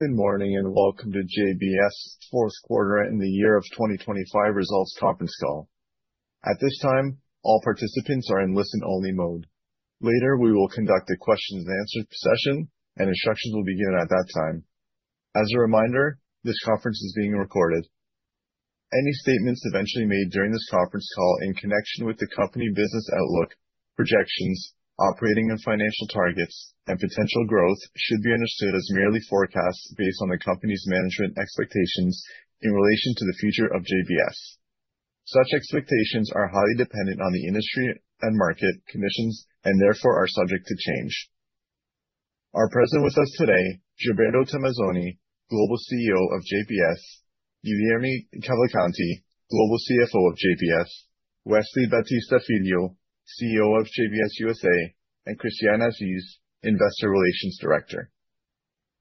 Good morning, and welcome to JBS fourth quarter and the year of 2025 results conference call. At this time, all participants are in listen-only mode. Later, we will conduct a questions and answers session, and instructions will be given at that time. As a reminder, this conference is being recorded. Any statements eventually made during this conference call in connection with the company business outlook, projections, operating and financial targets, and potential growth should be understood as merely forecasts based on the company's management expectations in relation to the future of JBS. Such expectations are highly dependent on the industry and market conditions and therefore are subject to change. Present with us today, Gilberto Tomazoni, Global CEO of JBS, Guilherme Cavalcanti, Global CFO of JBS, Wesley Batista Filho, CEO of JBS USA, and Christiane Assis, Investor Relations Director.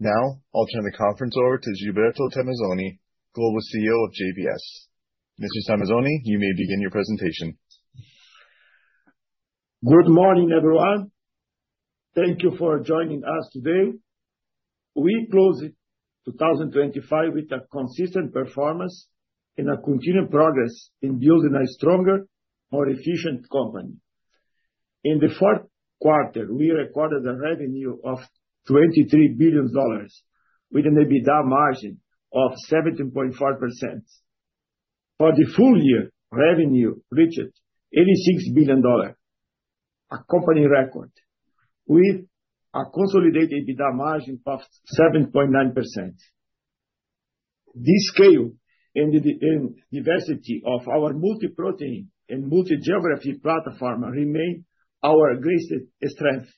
Now, I'll turn the conference over to Gilberto Tomazoni, Global CEO of JBS. Mr. Tomazoni, you may begin your presentation. Good morning, everyone. Thank you for joining us today. We closed 2025 with a consistent performance and a continued progress in building a stronger, more efficient company. In the fourth quarter, we recorded a revenue of $23 billion with an EBITDA margin of 17.5%. For the full year, revenue reached $86 billion, a company record with a consolidated EBITDA margin of 7.9%. This scale and the diversity of our multi-protein and multi-geography platform remain our greatest strength,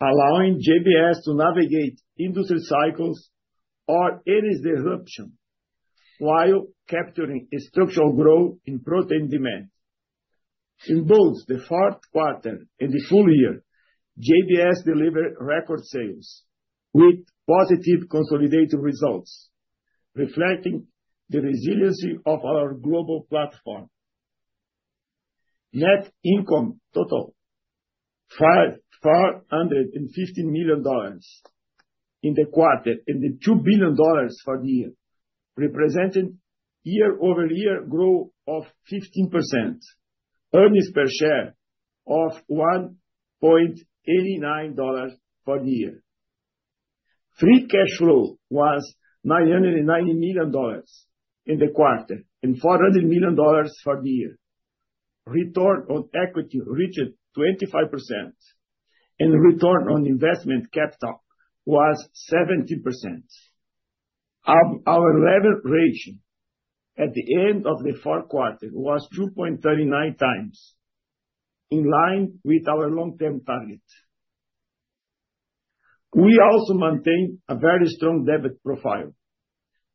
allowing JBS to navigate industry cycles or any disruption while capturing a structural growth in protein demand. In both the fourth quarter and the full year, JBS delivered record sales with positive consolidated results, reflecting the resiliency of our global platform. Net income total, $450 million in the quarter and $2 billion for the year, representing year-over-year growth of 15%, earnings per share of $1.89 for the year. Free cash flow was $990 million in the quarter and $400 million for the year. Return on equity reached 25% and return on investment capital was 70%. Our leverage ratio at the end of the fourth quarter was 2.39 times in line with our long-term target. We also maintain a very strong debt profile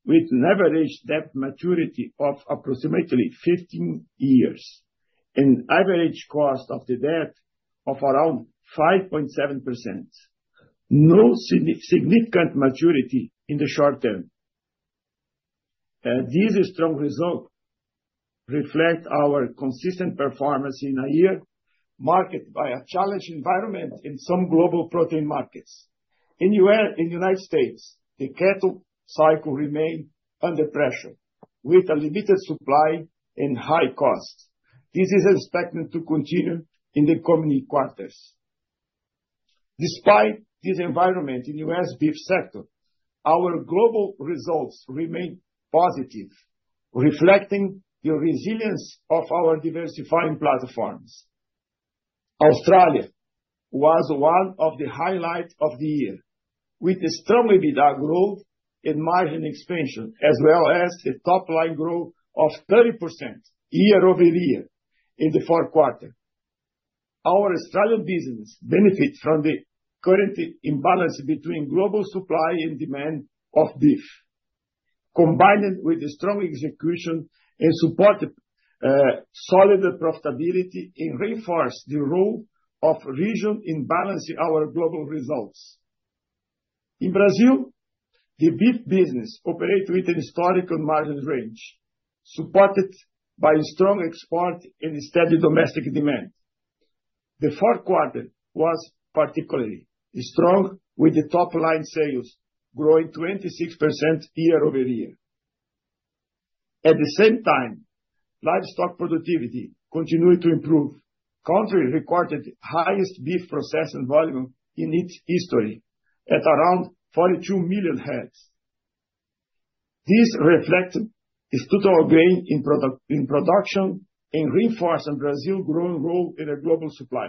with leveraged debt maturity of approximately 15 years and average cost of the debt of around 5.7%. No significant maturity in the short term. These strong results reflect our consistent performance in a year marked by a challenged environment in some global protein markets. In the United States, the cattle cycle remained under pressure with a limited supply and high costs. This is expected to continue in the coming quarters. Despite this environment in U.S. beef sector, our global results remain positive, reflecting the resilience of our diversifying platforms. Australia was one of the highlights of the year, with a strong EBITDA growth and margin expansion, as well as a top-line growth of 30% year-over-year in the fourth quarter. Our Australian business benefit from the current imbalance between global supply and demand of beef, combined with the strong execution and supported solid profitability and reinforce the role of region in balancing our global results. In Brazil, the beef business operate with a historical margin range, supported by strong export and steady domestic demand. The fourth quarter was particularly strong, with the top-line sales growing 26% year-over-year. At the same time, livestock productivity continued to improve. The country recorded highest beef processing volume in its history at around 42 million heads. This reflected a total gain in production and reinforces Brazil's growing role in a global supply.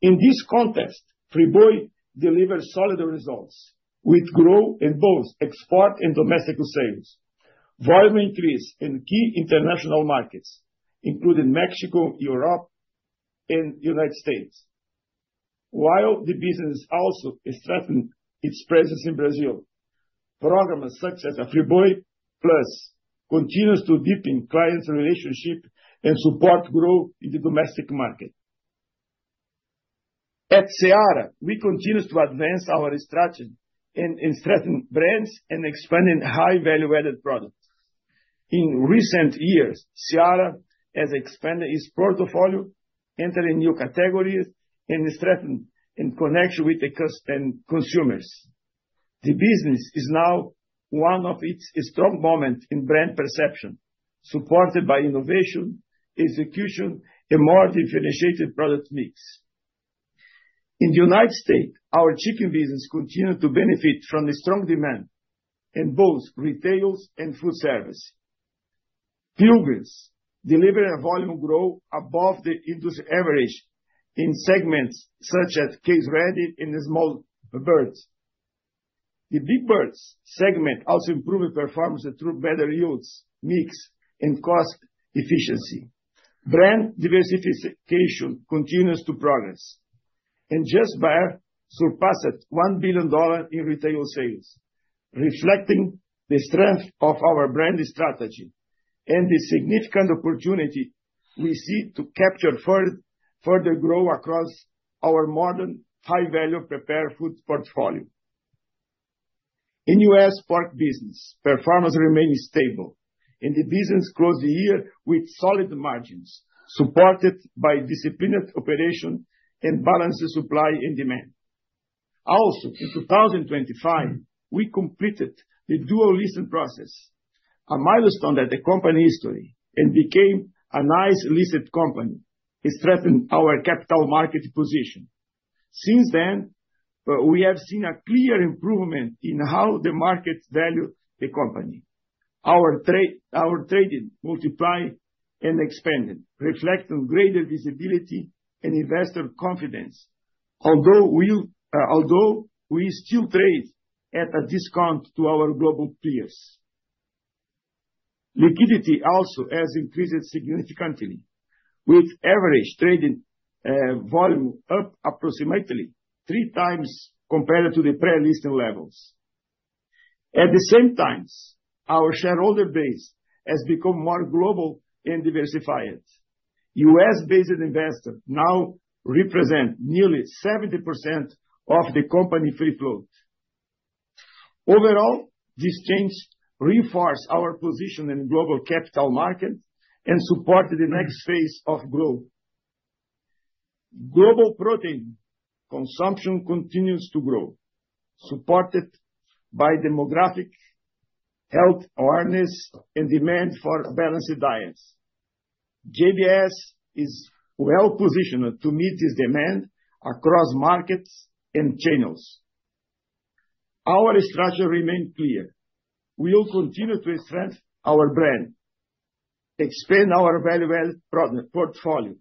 In this context, Friboi delivered solid results with growth in both export and domestic sales. Volume increased in key international markets, including Mexico, Europe, and United States. While the business also strengthened its presence in Brazil, programs such as Friboi Mais continues to deepen clients' relationship and support growth in the domestic market. At Seara, we continue to advance our strategy in strengthening brands and expanding high value-added products. In recent years, Seara has expanded its portfolio, entering new categories and strengthening connections with consumers. The business is now one of its strongest moments in brand perception, supported by innovation, execution, and more differentiated product mix. In the United States, our chicken business continued to benefit from the strong demand in both retail and food service. Pilgrim's delivered a volume growth above the industry average in segments such as case-ready and small birds. The big birds segment also improved performance through better yields, mix, and cost efficiency. Brand diversification continues to progress, and Just Bare surpasses $1 billion in retail sales, reflecting the strength of our brand strategy and the significant opportunity we see to capture further growth across our modern high-value prepared foods portfolio. In U.S. pork business, performance remained stable, and the business closed the year with solid margins, supported by disciplined operation and balanced supply and demand. In 2025, we completed the dual listing process, a milestone in the company history, and became a NYSE-listed company to strengthen our capital market position. Since then, we have seen a clear improvement in how the market value the company. Our trading multiple expanded, reflecting greater visibility and investor confidence. Although we still trade at a discount to our global peers. Liquidity also has increased significantly, with average trading volume up approximately three times compared to the pre-listing levels. At the same time, our shareholder base has become more global and diversified. U.S.-based investors now represent nearly 70% of the company free float. Overall, this change reinforce our position in global capital market and support the next phase of growth. Global protein consumption continues to grow, supported by demographic, health awareness, and demand for balanced diets. JBS is well-positioned to meet this demand across markets and channels. Our strategy remain clear. We will continue to strengthen our brand, expand our value-add product portfolio,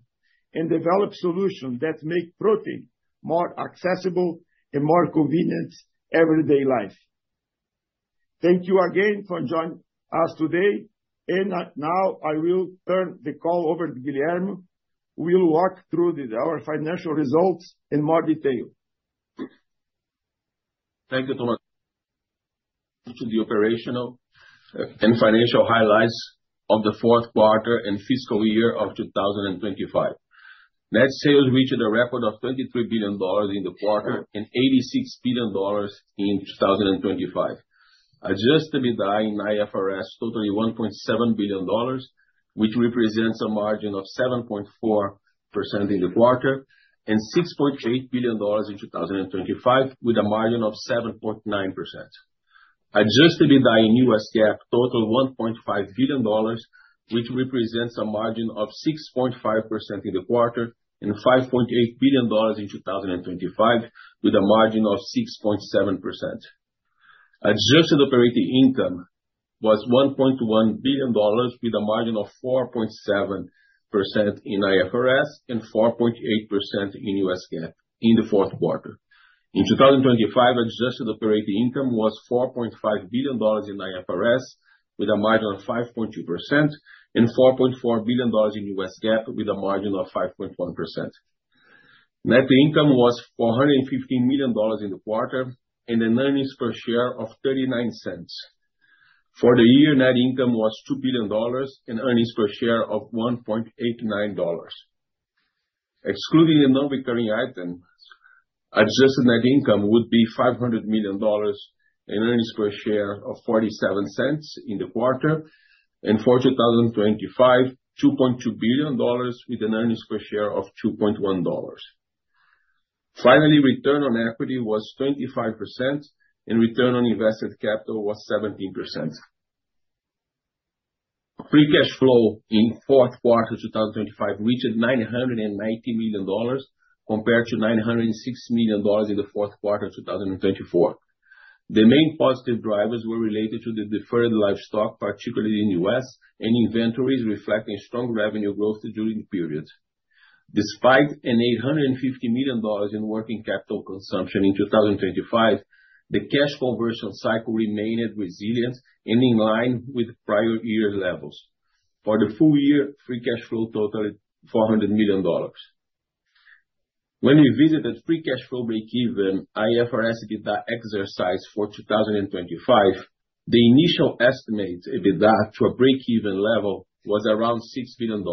and develop solutions that make protein more accessible and more convenient everyday life. Thank you again for joining us today. Now, I will turn the call over to Guilherme, who will walk through our financial results in more detail. Thank you, Tomas. The operational and financial highlights of the fourth quarter and fiscal year of 2025. Net sales reached a record of $23 billion in the quarter and $86 billion in 2025. Adjusted EBITDA in IFRS totaling $1.7 billion, which represents a margin of 7.4% in the quarter and $6.8 billion in 2025 with a margin of 7.9%. Adjusted EBITDA in U.S. GAAP total $1.5 billion, which represents a margin of 6.5% in the quarter and $5.8 billion in 2025 with a margin of 6.7%. Adjusted operating income was $1.1 billion with a margin of 4.7% in IFRS and 4.8% in U.S. GAAP in the fourth quarter. In 2025, adjusted operating income was $4.5 billion in IFRS with a margin of 5.2% and $4.4 billion in U.S. GAAP with a margin of 5.1%. Net income was $415 million in the quarter and an EPS of $0.39. For the year, net income was $2 billion and EPS of $1.89. Excluding the non-recurring item, adjusted net income would be $500 million in earnings per share of $0.47 in the quarter, and for 2025, $2.2 billion with an earnings per share of $2.1. Finally, return on equity was 25% and return on invested capital was 17%. Free cash flow in fourth quarter 2025 reached $990 million compared to $960 million in the fourth quarter of 2024. The main positive drivers were related to the deferred livestock, particularly in U.S., and inventories reflecting strong revenue growth during the period. Despite an $850 million in working capital consumption in 2025, the cash conversion cycle remained resilient and in line with prior year levels. For the full year, free cash flow totaled $400 million. When we visited free cash flow breakeven IFRS EBITDA exercise for 2025, the initial estimate EBITDA to a breakeven level was around $6 billion.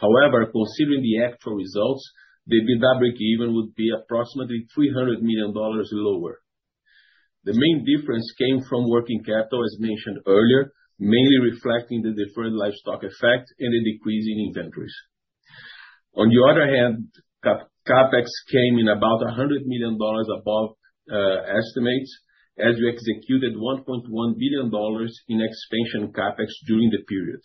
However, considering the actual results, the EBITDA breakeven would be approximately $300 million lower. The main difference came from working capital, as mentioned earlier, mainly reflecting the deferred livestock effect and the decrease in inventories. On the other hand, CapEx came in about $100 million above estimates as we executed $1.1 billion in expansion CapEx during the period.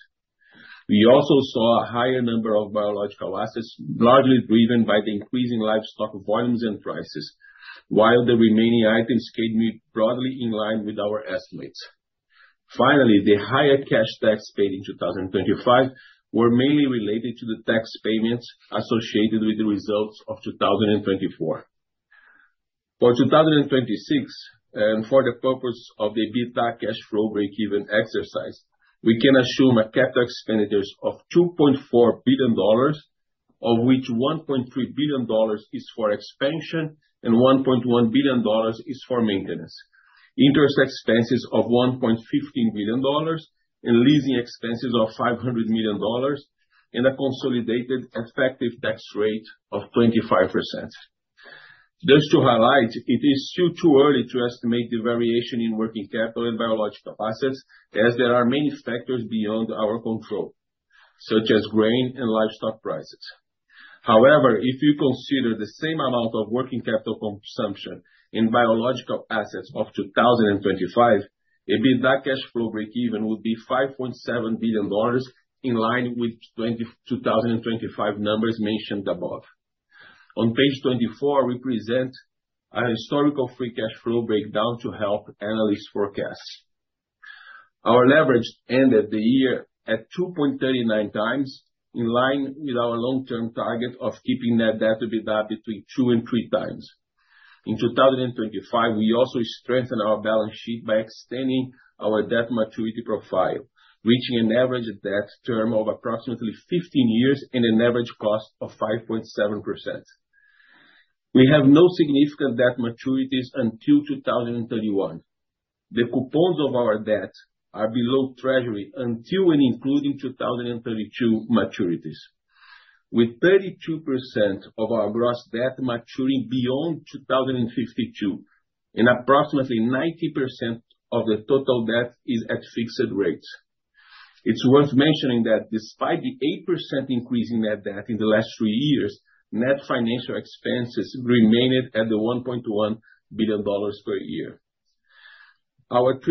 We also saw a higher number of biological assets, largely driven by the increasing livestock volumes and prices, while the remaining items stayed broadly in line with our estimates. Finally, the higher cash tax paid in 2025 were mainly related to the tax payments associated with the results of 2024. For 2026, and for the purpose of the EBITDA cash flow break-even exercise, we can assume a capital expenditures of $2.4 billion, of which $1.3 billion is for expansion and $1.1 billion is for maintenance, interest expenses of $1.15 billion, and leasing expenses of $500 million, and a consolidated effective tax rate of 25%. Just to highlight, it is still too early to estimate the variation in working capital and biological assets as there are many factors beyond our control, such as grain and livestock prices. However, if you consider the same amount of working capital consumption in biological assets of 2025, EBITDA cash flow break even would be $5.7 billion in line with 2025 numbers mentioned above. On page 24, we present a historical free cash flow breakdown to help analysts' forecasts. Our leverage ended the year at 2.39 times, in line with our long-term target of keeping net debt to EBITDA between 2-3 times. In 2025, we also strengthened our balance sheet by extending our debt maturity profile, reaching an average debt term of approximately 15 years and an average cost of 5.7%. We have no significant debt maturities until 2031. The coupons of our debt are below Treasury until and including 2032 maturities. 32% of our gross debt maturing beyond 2052 and approximately 90% of the total debt is at fixed rates. It's worth mentioning that despite the 8% increase in net debt in the last three years, net financial expenses remained at $1.1 billion per year. Our $3.5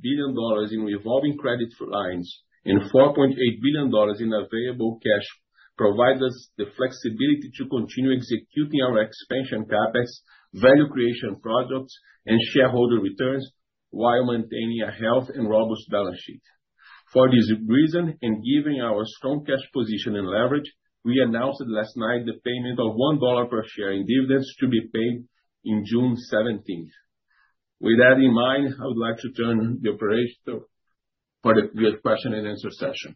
billion in revolving credit lines and $4.8 billion in available cash provide us the flexibility to continue executing our expansion CapEx, value creation products and shareholder returns while maintaining a healthy and robust balance sheet. For this reason, and given our strong cash position and leverage, we announced last night the payment of $1 per share in dividends to be paid in June 17. With that in mind, I would like to turn over to the operator for the question and answer session.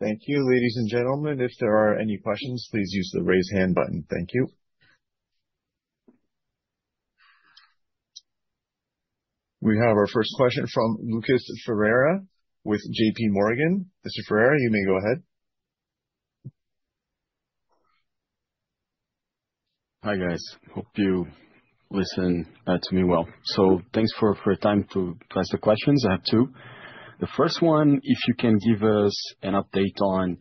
Thank you, ladies and gentlemen. If there are any questions, please use the raise hand button. Thank you. We have our first question from Lucas Ferreira with JPMorgan. Mr. Ferreira, you may go ahead. Hi, guys. Hope you listen to me well. Thanks for your time to address the questions. I have two. The first one, if you can give us an update on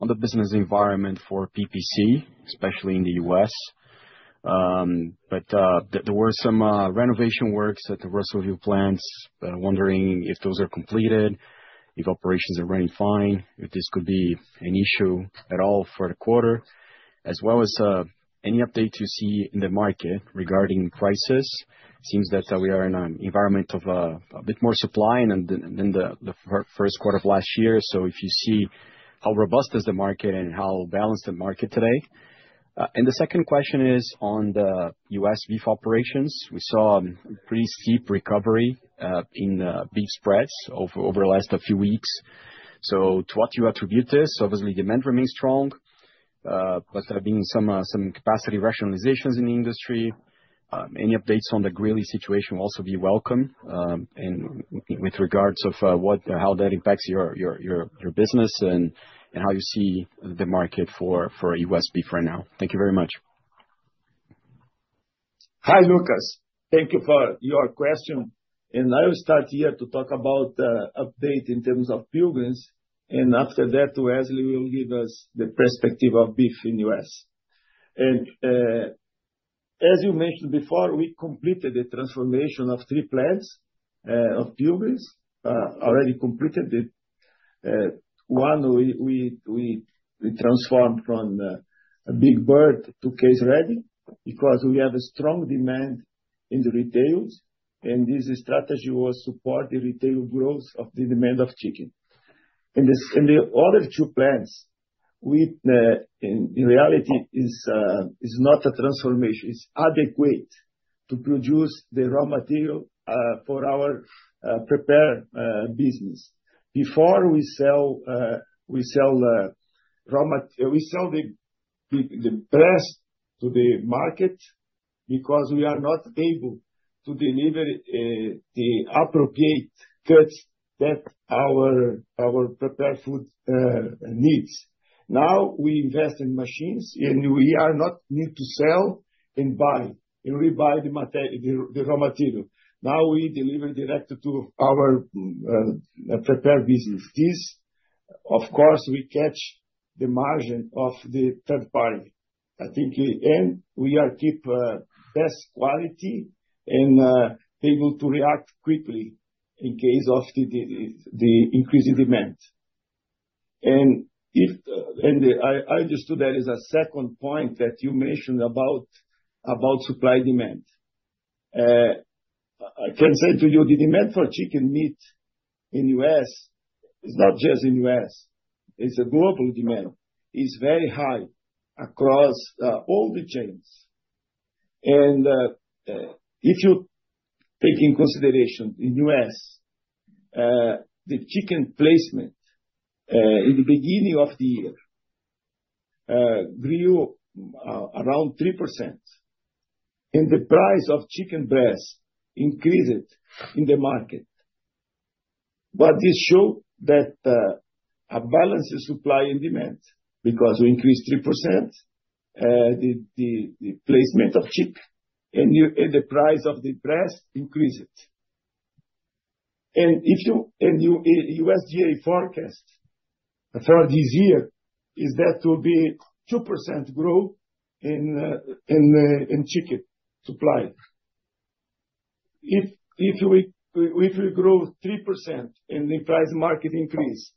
the business environment for PPC, especially in the U.S. There were some renovation works at the Russellville plants. Wondering if those are completed, if operations are running fine, if this could be an issue at all for the quarter. As well as any update you see in the market regarding prices. Seems that we are in an environment of a bit more supply than the first quarter of last year. If you see how robust is the market and how balanced the market today. The second question is on the U.S. beef operations. We saw pretty steep recovery in beef spreads over the last few weeks. To what you attribute this, obviously demand remains strong, but there have been some capacity rationalizations in the industry. Any updates on the Greeley situation will also be welcome, and with regards of how that impacts your business and how you see the market for U.S. beef right now. Thank you very much. Hi, Lucas. Thank you for your question. I will start here to talk about an update in terms of Pilgrim's Pride, and after that, Wesley will give us the perspective of beef in the U.S. As you mentioned before, we completed the transformation of three plants of Pilgrim's Pride. Already completed it. One we transformed from a big bird to case-ready because we have a strong demand in the retail, and this strategy will support the retail growth of the demand of chicken. The other two plants, in reality, is not a transformation. It's adequate to produce the raw material for our prepared business. Before we sell, we sell the breast to the market. Because we are not able to deliver the appropriate goods that our prepared food needs. Now, we invest in machines, and we are not need to sell and buy, and we buy the raw material. Now we deliver direct to our prepared business. This, of course, we catch the margin of the third party. I think in the end, we are keep best quality and able to react quickly in case of the increase in demand. If I understood that is a second point that you mentioned about supply demand. I can say to you, the demand for chicken meat in U.S., it's not just in U.S., it's a global demand, is very high across all the chains. If you take into consideration in the U.S. the chicken placement in the beginning of the year grew around 3%, and the price of chicken breast increased in the market. This show that a balance is supply and demand, because we increased 3% the placement of chicken, and the price of the breast increased. If you USDA forecast throughout this year is that will be 2% growth in chicken supply. If we grow 3% and the price market increase,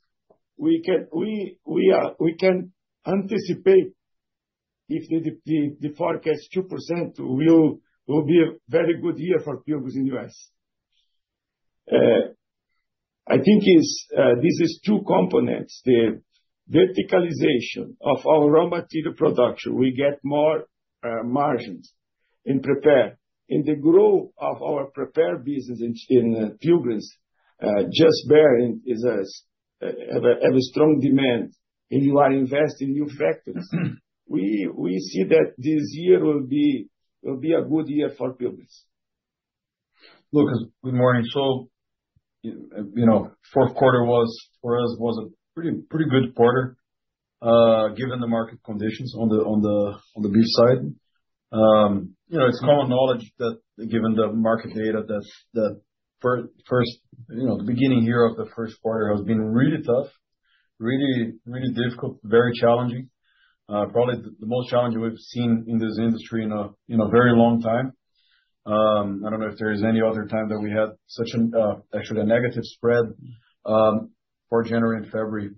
we can anticipate if the forecast 2% will be a very good year for Pilgrim's in U.S. I think is this is two components. The verticalization of our raw material production, we get more margins in prepared. In the growth of our prepared business in Pilgrim's, Just Bare is having a strong demand, and we are investing in new factories. We see that this year will be a good year for Pilgrim's. Lucas, good morning. Fourth quarter was for us a pretty good quarter, given the market conditions on the beef side. It's common knowledge that given the market data the beginning here of the first quarter has been really tough, really difficult, very challenging. Probably the most challenging we've seen in this industry in a very long time. I don't know if there is any other time that we had such an actually a negative spread for January and February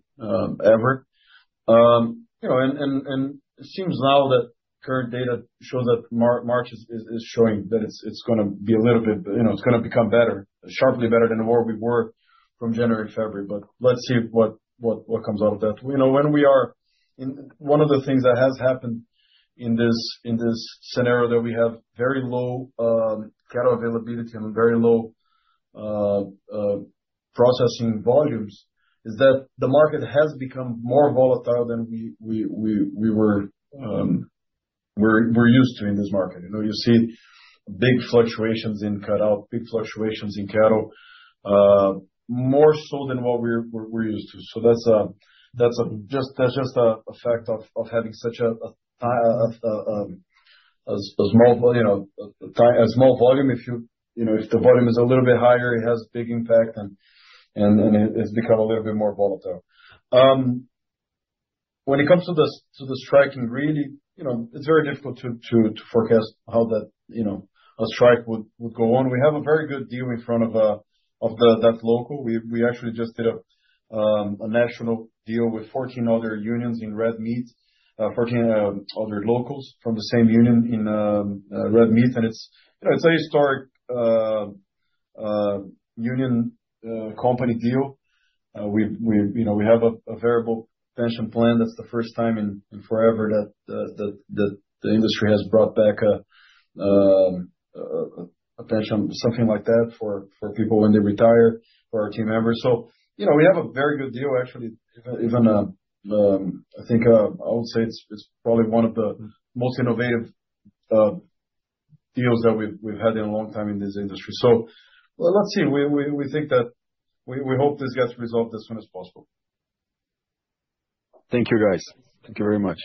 ever. It seems now that current data shows that March is showing that it's gonna be a little bit, you know, it's gonna become better, sharply better than where we were from January to February. Let's see what comes out of that. One of the things that has happened in this scenario that we have very low cattle availability and very low processing volumes is that the market has become more volatile than we were used to in this market. You see big fluctuations in cutout, big fluctuations in cattle, more so than what we're used to. That's just a small volume. If the volume is a little bit higher, it has big impact and it has become a little bit more volatile. When it comes to the strike and really, you know, it's very difficult to forecast how that, you know, a strike would go on. We have a very good deal in front of that local. We actually just did a national deal with 14 other unions in red meats, 14 other locals from the same union in red meats. It's, you know, it's a historic union company deal. We have a variable pension plan. That's the first time in forever that the industry has brought back a pension, something like that for people when they retire, for our team members. You know, we have a very good deal actually. Even, I think I would say it's probably one of the most innovative deals that we've had in a long time in this industry. Let's see. We hope this gets resolved as soon as possible. Thank you, guys. Thank you very much.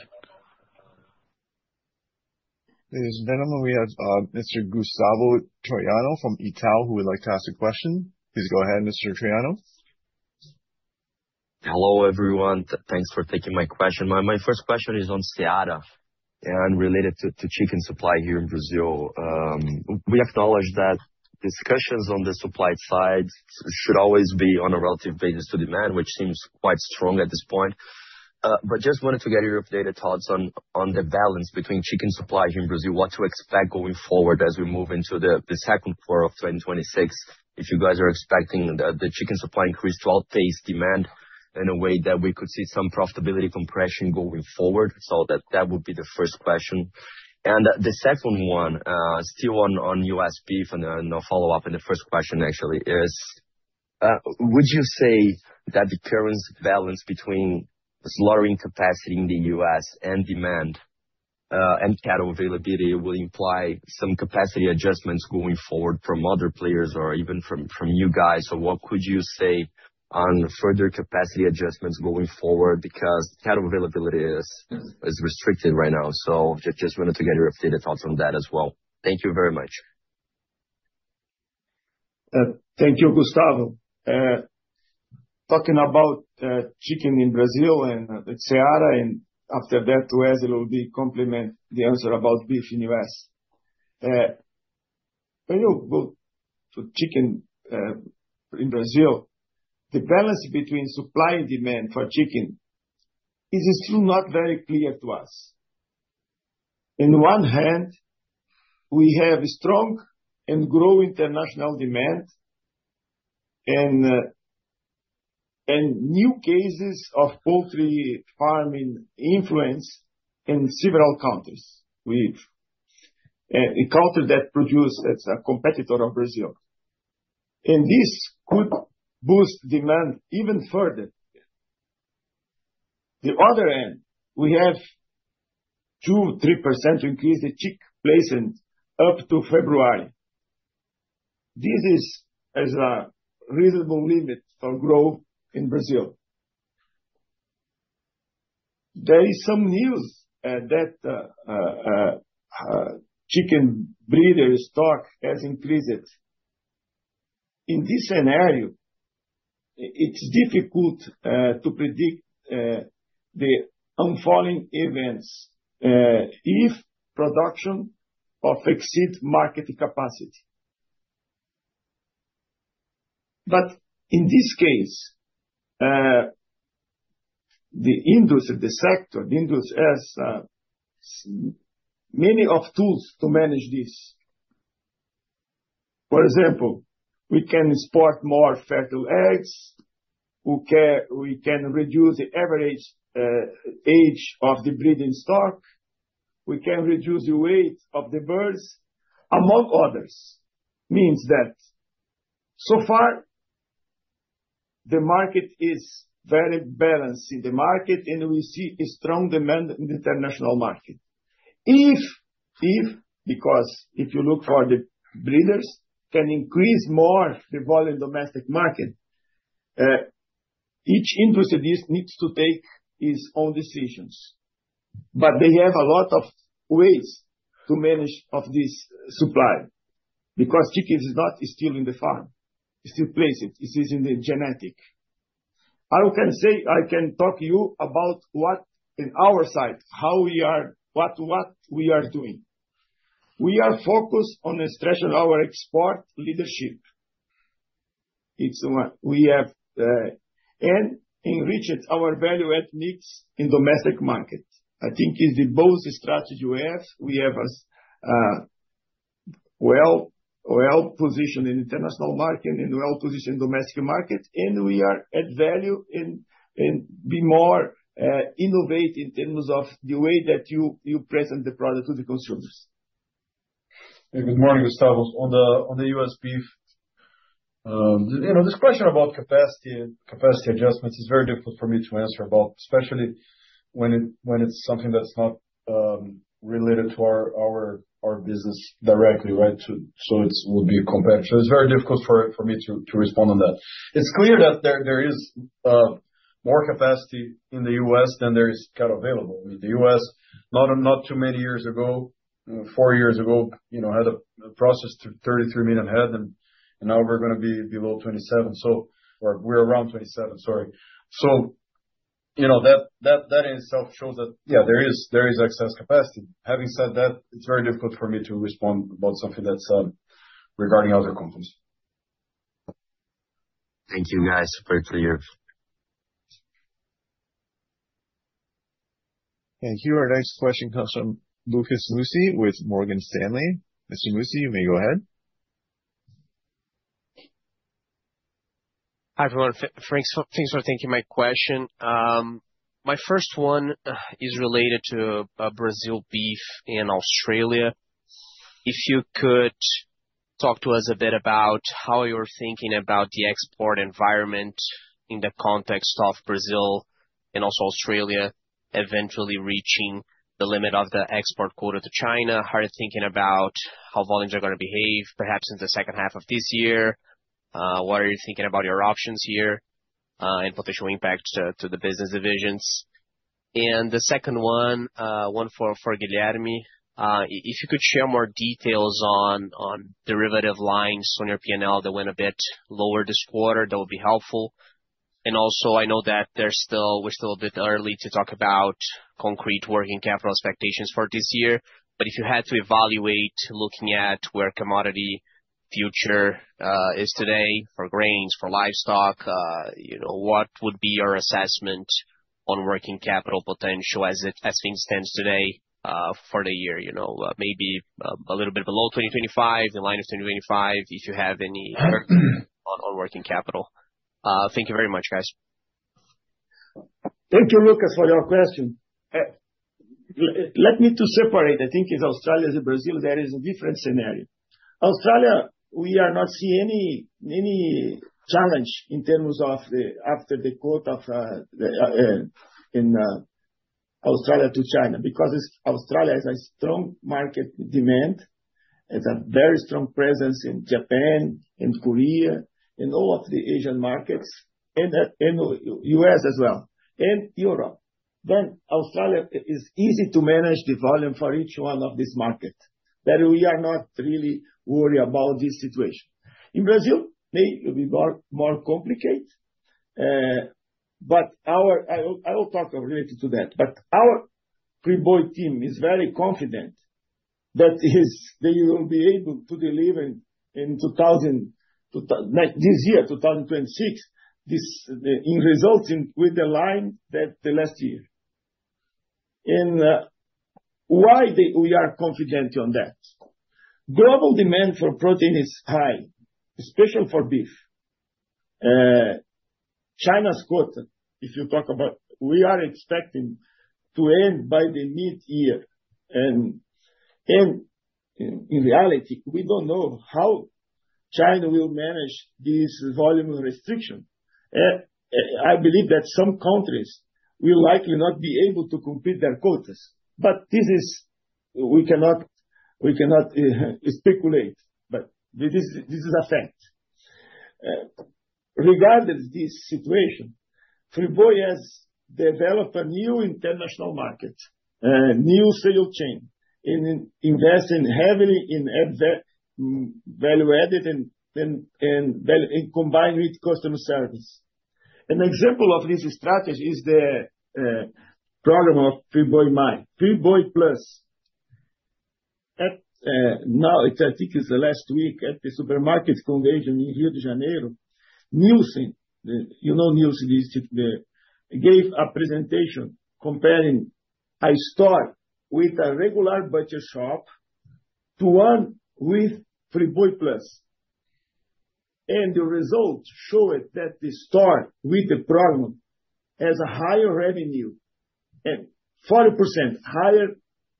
Thanks. We have, Mr. Gustavo Troyano from Itaú BBA, who would like to ask a question. Please go ahead, Mr. Troyano. Hello, everyone. Thanks for taking my question. My first question is on Seara and related to chicken supply here in Brazil. We acknowledge that discussions on the supply side should always be on a relative basis to demand, which seems quite strong at this point. I just wanted to get your updated thoughts on the balance between chicken supply here in Brazil and what to expect going forward as we move into the second quarter of 2026, if you guys are expecting the chicken supply increase to outpace demand in a way that we could see some profitability compression going forward. That would be the first question. The second one, still on U.S. and a follow-up to the first question actually is, would you say that the current balance between slaughtering capacity in the U.S. and demand, and cattle availability will imply some capacity adjustments going forward from other players or even from you guys? What could you say on further capacity adjustments going forward? Because cattle availability is restricted right now, so just wanted to get your updated thoughts on that as well. Thank you very much. Thank you, Gustavo. Talking about chicken in Brazil and Seara, and after that, Wes will complement the answer about beef in U.S. When you go for chicken in Brazil, the balance between supply and demand for chicken is still not very clear to us. In one hand, we have strong and growing international demand and new cases of avian influenza in several countries, a country that produce, that's a competitor of Brazil, and this could boost demand even further. The other end, we have 2%-3% increase in chick placement up to February. This is a reasonable limit for growth in Brazil. There is some news that chicken breeder stock has increased. In this scenario, it's difficult to predict the unfolding events if production of exceed market capacity. In this case, the industry, the sector has many tools to manage this. For example, we can export more fertile eggs. We can reduce the average age of the breeding stock. We can reduce the weight of the birds, among others. That means so far the market is very balanced, and we see a strong demand in the international market. If, because if you look, the breeders can increase more the volume domestic market, each industry needs to take its own decisions. They have a lot of ways to manage this supply because chicken is not still in the farm. It's still placed. It is in the genetic. I can say I can talk to you about what on our side, how we are, what we are doing. We are focused on strengthening our export leadership. It's what we have and enrich our value-added mix in domestic market. I think this is both strategies we have. We have ourselves well-positioned in international market and well-positioned domestic market, and we are adding value and to be more innovative in terms of the way that you present the product to the consumers. Good morning, Gustavo. On the U.S. beef, you know, this question about capacity adjustments is very difficult for me to answer about, especially when it's something that's not related to our business directly, right? It'll be a comparison. It's very difficult for me to respond on that. It's clear that there is more capacity in the U.S. than there is cattle available. In the U.S. not too many years ago, four years ago, you know, had a capacity to process 33 million head and now we're gonna be below 27. Or we're around 27, sorry. You know, that in itself shows that, yeah, there is excess capacity. Having said that, it's very difficult for me to respond about something that's regarding other companies. Thank you, guys. Very clear. Here our next question comes from Lucas Mussi with Morgan Stanley. Mr. Mussi, you may go ahead. Hi, everyone. Thanks for taking my question. My first one is related to Brazil beef in Australia. If you could talk to us a bit about how you're thinking about the export environment in the context of Brazil and also Australia eventually reaching the limit of the export quota to China. How are you thinking about how volumes are gonna behave, perhaps in the second half of this year? What are you thinking about your options here, and potential impact to the business divisions? The second one for Guilherme. If you could share more details on derivative lines on your P&L that went a bit lower this quarter, that would be helpful. I know that we're still a bit early to talk about concrete working capital expectations for this year, but if you had to evaluate looking at where commodity futures is today for grains, for livestock, you know, what would be your assessment on working capital potential as it stands today, for the year? You know, maybe a little bit below 2025, in line with 2025. If you have any on working capital. Thank you very much, guys. Thank you, Lucas, for your question. Let me to separate, I think in Australia and Brazil, there is a different scenario. Australia, we are not seeing any challenge in terms of the after the quota of in Australia to China because Australia has a strong market demand, has a very strong presence in Japan, in Korea, in all of the Asian markets, and in U.S. as well, and Europe. Australia is easy to manage the volume for each one of this market, that we are not really worried about this situation. In Brazil, may be more complicated, but our I will talk related to that. Our Friboi team is very confident that they will be able to deliver in 2026 the results in line with last year. Why we are confident on that? Global demand for protein is high, especially for beef. China's quota, if you talk about, we are expecting to end by the mid-year, and in reality, we don't know how China will manage this volume of restriction. I believe that some countries will likely not be able to complete their quotas. We cannot speculate, but this is a fact. Regardless this situation, Friboi has developed a new international market, new sales chain, in investing heavily in value-added and combined with customer service. An example of this strategy is the program of Friboi Mais, Friboi Plus. Now I think it's the last week at the supermarket convention in Rio de Janeiro, Nielsen, you know, Nielsen gave a presentation comparing a store with a regular butcher shop to one with Friboi Plus. The results showed that the store with the program has a higher revenue and 40% higher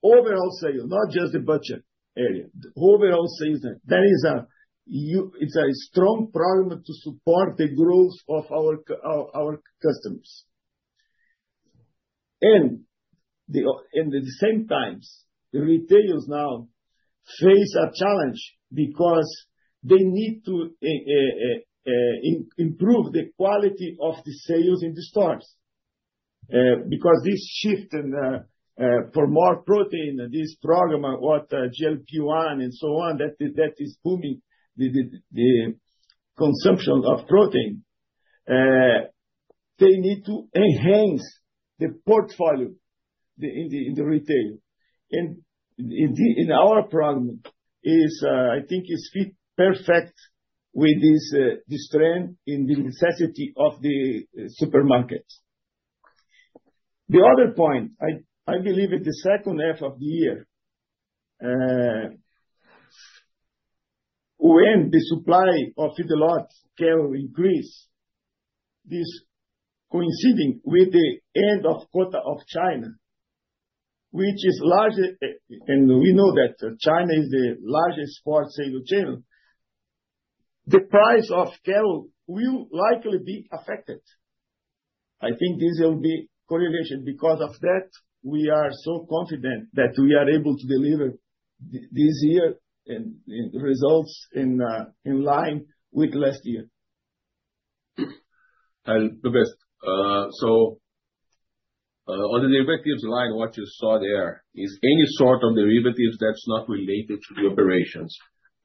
overall sales, not just the butcher area. The overall sales. That is a strong program to support the growth of our customers. At the same time, retailers now face a challenge because they need to improve the quality of the sales in the stores. Because this shift in for more protein and this program and what GLP-1 and so on, that is booming the consumption of protein. They need to enhance the portfolio in the retail. Our program is, I think is fit perfect with this trend in the necessity of the supermarkets. The other point, I believe in the second half of the year, when the supply of feedlots can increase, this coinciding with the end of quota of China, which is largely, and we know that China is the largest pork sales channel. The price of cattle will likely be affected. I think this will be correlation. Because of that, we are so confident that we are able to deliver this year in results in line with last year. Guilherme, on the derivatives line, what you saw there is any sort of derivatives that's not related to the operations.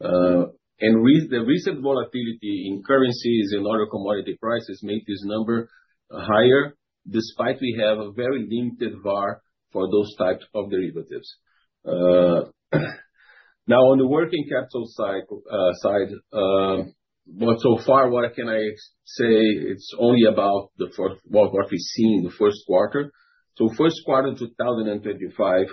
The recent volatility in currencies and other commodity prices made this number higher, despite we have a very limited VAR for those types of derivatives. Now on the working capital cycle side, well so far what can I say, it's only about the first. What we see in the first quarter. First quarter 2025,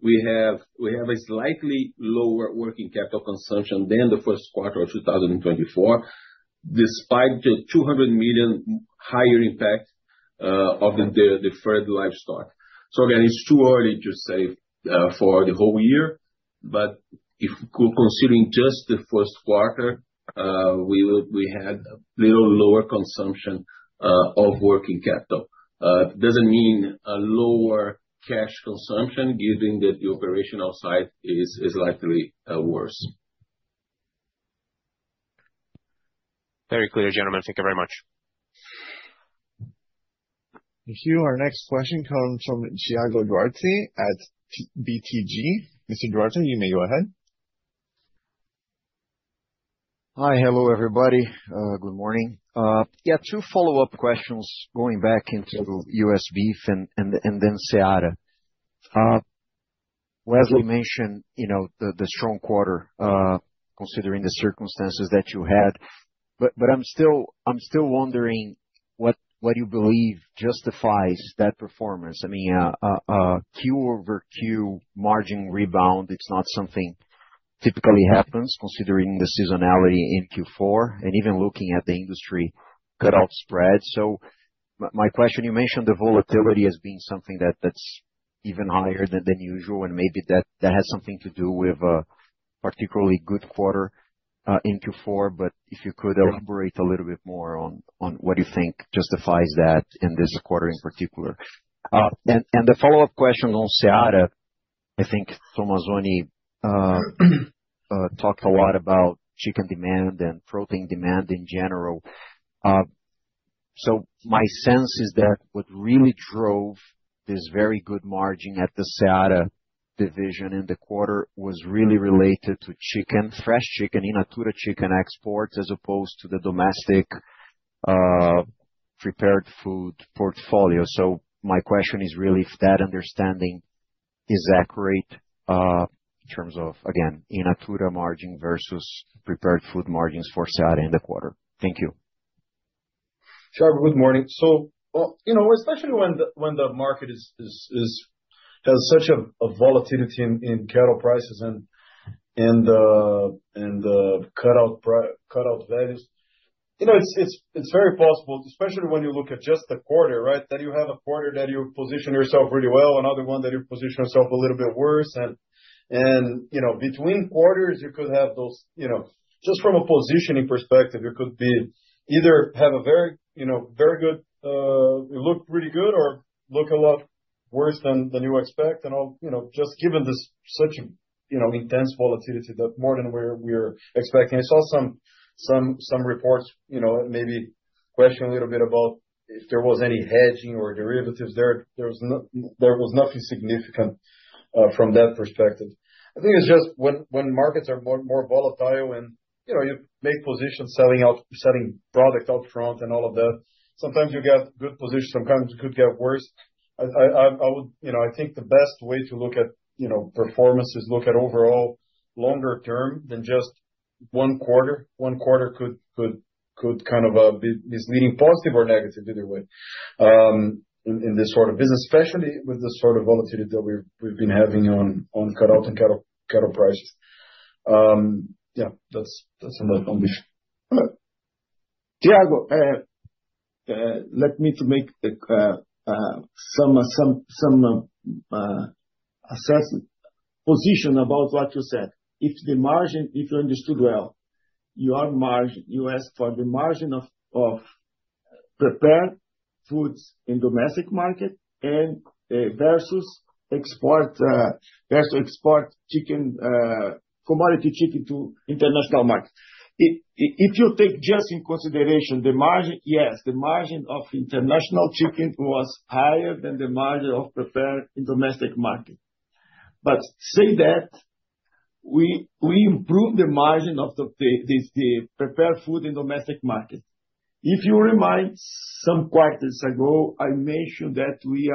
we have a slightly lower working capital consumption than the first quarter of 2024, despite the 200 million higher impact of the deferred livestock. Again, it's too early to say for the whole year, but if considering just the first quarter, we had a little lower consumption of working capital. Doesn't mean a lower cash consumption given that the operational side is likely worse. Very clear, gentlemen. Thank you very much. Thank you. Our next question comes from Thiago Duarte at BTG. Mr. Duarte, you may go ahead. Hi. Hello, everybody. Good morning. Yeah, two follow-up questions going back into U.S. beef and then Seara. Wesley mentioned, you know, the strong quarter, considering the circumstances that you had, but I'm still wondering what you believe justifies that performance. I mean, Q-over-Q margin rebound. It's not something that typically happens considering the seasonality in Q4 and even looking at the industry cutout spread. My question, you mentioned the volatility as being something that's even higher than usual, and maybe that has something to do with a particularly good quarter in Q4. If you could elaborate a little bit more on what you think justifies that in this quarter in particular. The follow-up question on Seara. I think Tomazoni talked a lot about chicken demand and protein demand in general. My sense is that what really drove this very good margin at the Seara division in the quarter was really related to chicken, fresh chicken exports, as opposed to the domestic prepared food portfolio. My question is really if that understanding is accurate in terms of, again, chicken margin versus prepared food margins for Seara in the quarter. Thank you. Sure. Good morning. You know, especially when the market has such a volatility in cattle prices and cutout values, you know, it's very possible, especially when you look at just the quarter, right? That you have a quarter that you position yourself really well, another one that you position yourself a little bit worse. You know, between quarters, you could have those, you know, just from a positioning perspective, you could either have a very good look really good or look a lot worse than you expect. You know, just given such intense volatility that's more than we're expecting. I saw some reports, you know, maybe question a little bit about if there was any hedging or derivatives there. There was nothing significant from that perspective. I think it's just when markets are more volatile and, you know, you make positions selling product out front and all of that, sometimes you get good positions, sometimes it could get worse. You know, I think the best way to look at, you know, performance is look at overall longer term than just one quarter. One quarter could kind of be misleading, positive or negative, either way, in this sort of business, especially with the sort of volatility that we've been having on cutout and cattle prices. Yeah, that's my conclusion. Thiago, let me make some assessment about what you said. If you understood well, you ask for the margin of prepared foods in domestic market and versus export chicken, commodity chicken to international markets. If you take just into consideration the margin, yes, the margin of international chicken was higher than the margin of prepared foods in domestic market. But let's say that we improve the margin of the prepared food in domestic market. If you remember some quarters ago, I mentioned that we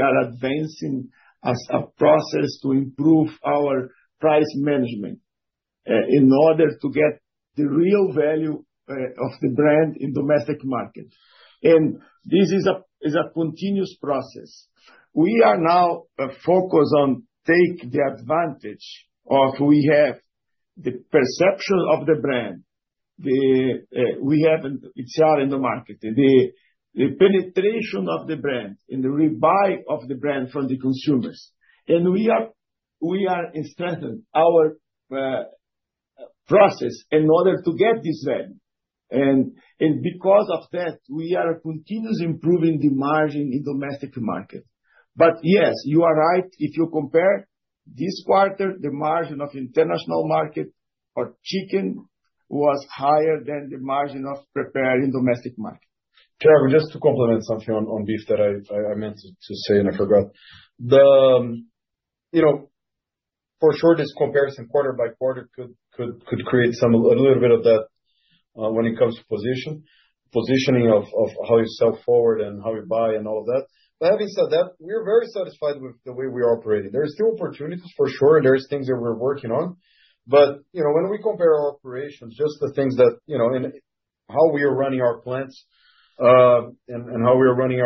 are advancing in a process to improve our price management in order to get the real value of the brand in domestic market. This is a continuous process. We are now focused on taking advantage of the perception of the brand we have in the market, the penetration of the brand and the rebuy of the brand from the consumers. We are strengthening our process in order to get this brand. Because of that, we are continuously improving the margin in domestic market. Yes, you are right. If you compare this quarter, the margin of international market for chicken was higher than the margin of prepared in domestic market. Thiago, just to complement something on this that I meant to say, and I forgot. You know, for sure this comparison quarter by quarter could create a little bit of that when it comes to positioning of how you sell forward and how you buy and all that. But having said that, we're very satisfied with the way we're operating. There is still opportunities for sure. There's things that we're working on. You know, when we compare our operations, just the things that, you know, and how we are running our plants, and how we are running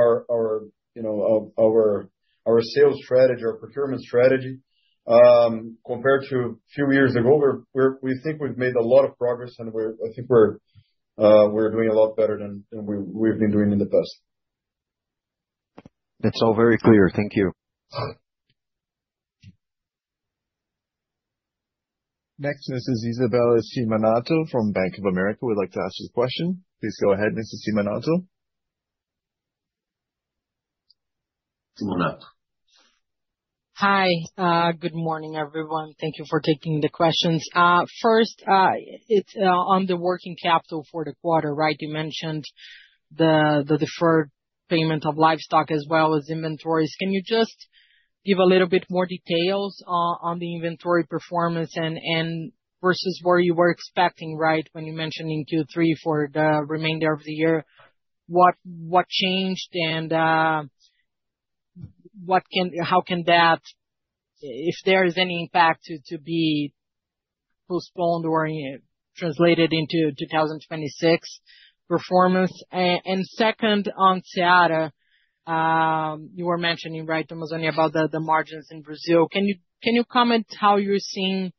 our sales strategy, our procurement strategy, compared to few years ago, we think we've made a lot of progress and I think we're doing a lot better than we've been doing in the past. It's all very clear. Thank you. All right. Next, this is Isabella Simonato from Bank of America, would like to ask a question. Please go ahead, Mrs. Simonato. Simonato. Hi. Good morning, everyone. Thank you for taking the questions. First, it's on the working capital for the quarter, right? You mentioned the deferred payment of livestock as well as inventories. Can you just give a little bit more details on the inventory performance and versus where you were expecting, right? When you mentioned in Q3 for the remainder of the year, what changed and how can that. If there is any factor to be postponed or translated into 2026 performance. Second, on Seara, you were mentioning, right, Tomazoni about the margins in Brazil. Can you comment how you're seeing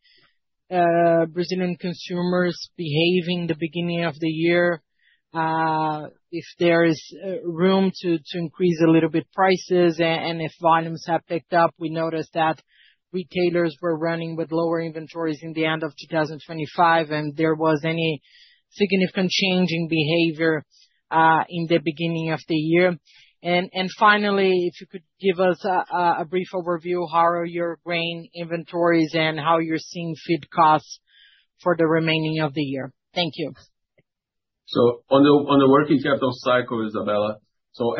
Brazilian consumers behaving at the beginning of the year, if there is room to increase a little bit prices and if volumes have picked up? We noticed that retailers were running with lower inventories at the end of 2025, and there was no significant change in behavior in the beginning of the year. Finally, if you could give us a brief overview of how your grain inventories are and how you're seeing feed costs for the remainder of the year. Thank you. On the working capital cycle, Isabella,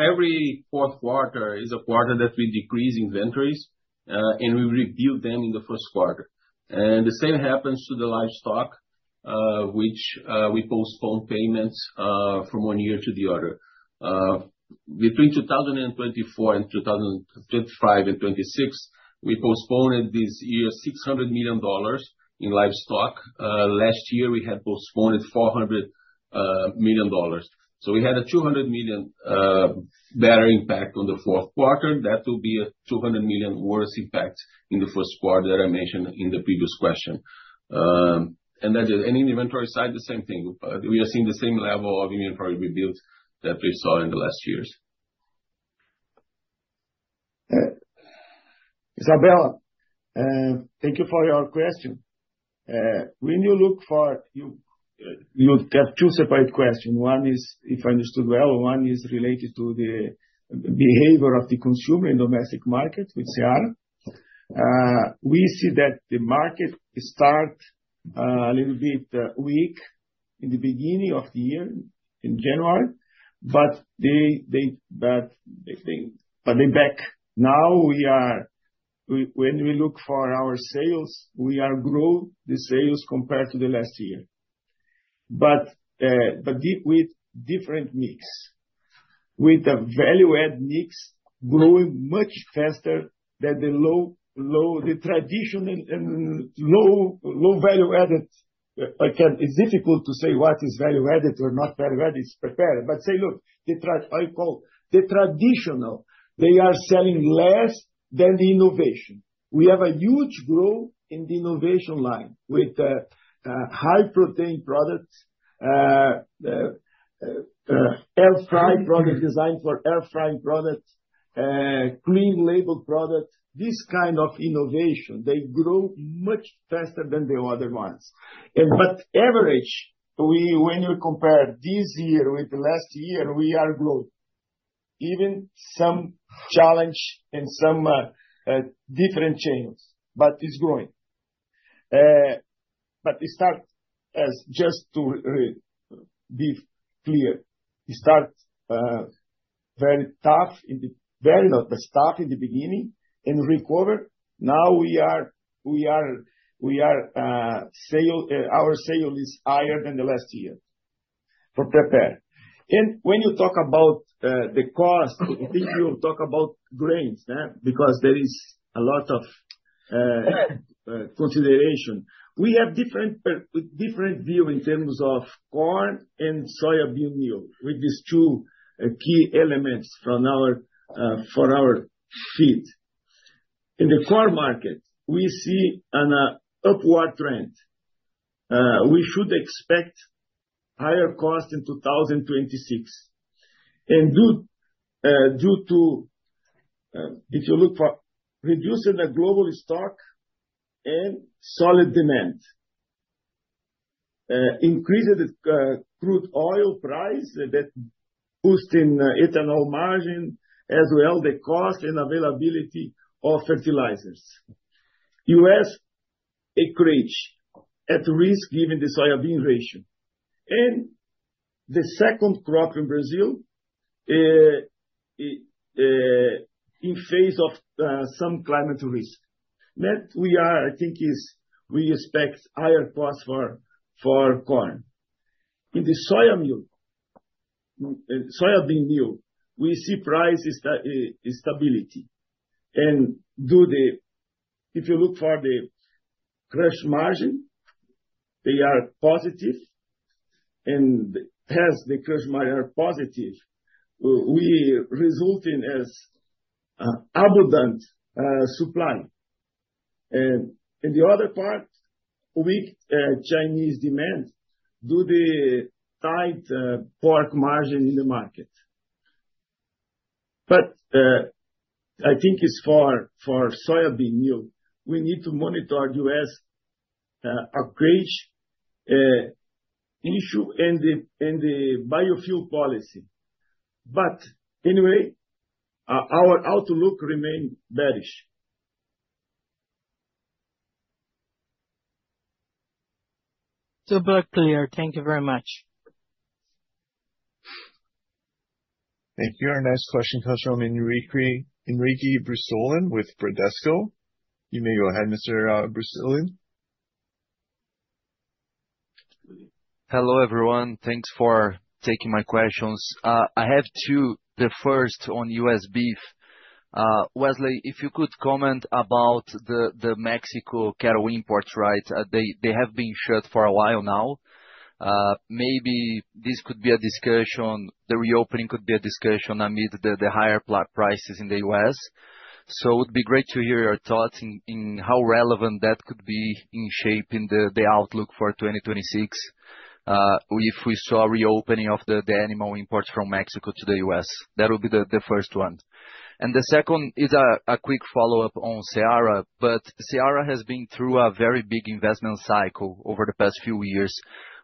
every fourth quarter is a quarter that we decrease inventories and we review them in the first quarter. The same happens to the livestock, which we postpone payments from one year to the other. Between 2024 and 2025 and 2026, we postponed this year $600 million in livestock. Last year, we had postponed $400 million. We had a $200 million better impact on the fourth quarter. That will be a $200 million worse impact in the first quarter that I mentioned in the previous question. In the inventory side, the same thing. We are seeing the same level of inventory rebuild that we saw in the last years. Isabella, thank you for your question. When you look for, you have two separate questions. One is, if I understood well, one is related to the behavior of the consumer in domestic market with CR. We see that the market start a little bit weak in the beginning of the year, in January, but they back. Now when we look for our sales, we are grow the sales compared to the last year. But with different mix. With the value-add mix growing much faster than the low the traditional and low value-added. Again, it's difficult to say what is value-added or not value-added is prepared. Say, look, I call the traditional, they are selling less than the innovation. We have a huge growth in the innovation line with high protein products, air fry product design for air frying products, clean label products. This kind of innovation, they grow much faster than the other ones. On average, when you compare this year with last year, we are growing. Even some challenges and some different chains, but it's growing. It started very tough in the beginning and recovered. Now our sales are higher than last year for prepared. When you talk about the costs, I think you talk about grains, because there is a lot of conversation. We have different view in terms of corn and soybean meal, with these two key elements for our feed. In the corn market, we see an upward trend. We should expect higher cost in 2026. Due to reducing the global stock and solid demand, increase the crude oil price that boosting ethanol margin as well the cost and availability of fertilizers. U.S. acreage at risk given the soybean ratio. The second crop in Brazil in phase of some climate risk. That we are, I think is, we expect higher cost for corn. In the soybean meal, we see prices stability. If you look for the crush margin, they are positive. As the crush margins are positive, we resulting in abundant supply. In the other part, weak Chinese demand due to the tight pork margin in the market. I think for soybean meal, we need to monitor U.S. acreage issue and the biofuel policy. Anyway, our outlook remain bearish. Super clear. Thank you very much. Thank you. Our next question comes from Henrique Brustolin with Bradesco BBI. You may go ahead, Mr. Brustolin. Hello everyone. Thanks for taking my questions. I have two. The first on U.S. beef. Wesley, if you could comment about the Mexico cattle imports trades. They have been shut for a while now. Maybe this could be a discussion, the reopening could be a discussion amid the higher prices in the U.S. It'd be great to hear your thoughts in how relevant that could be in shaping the outlook for 2026. If we saw a reopening of the animal imports from Mexico to the U.S. That would be the first one. The second is a quick follow-up on Seara. Seara has been through a very big investment cycle over the past few years.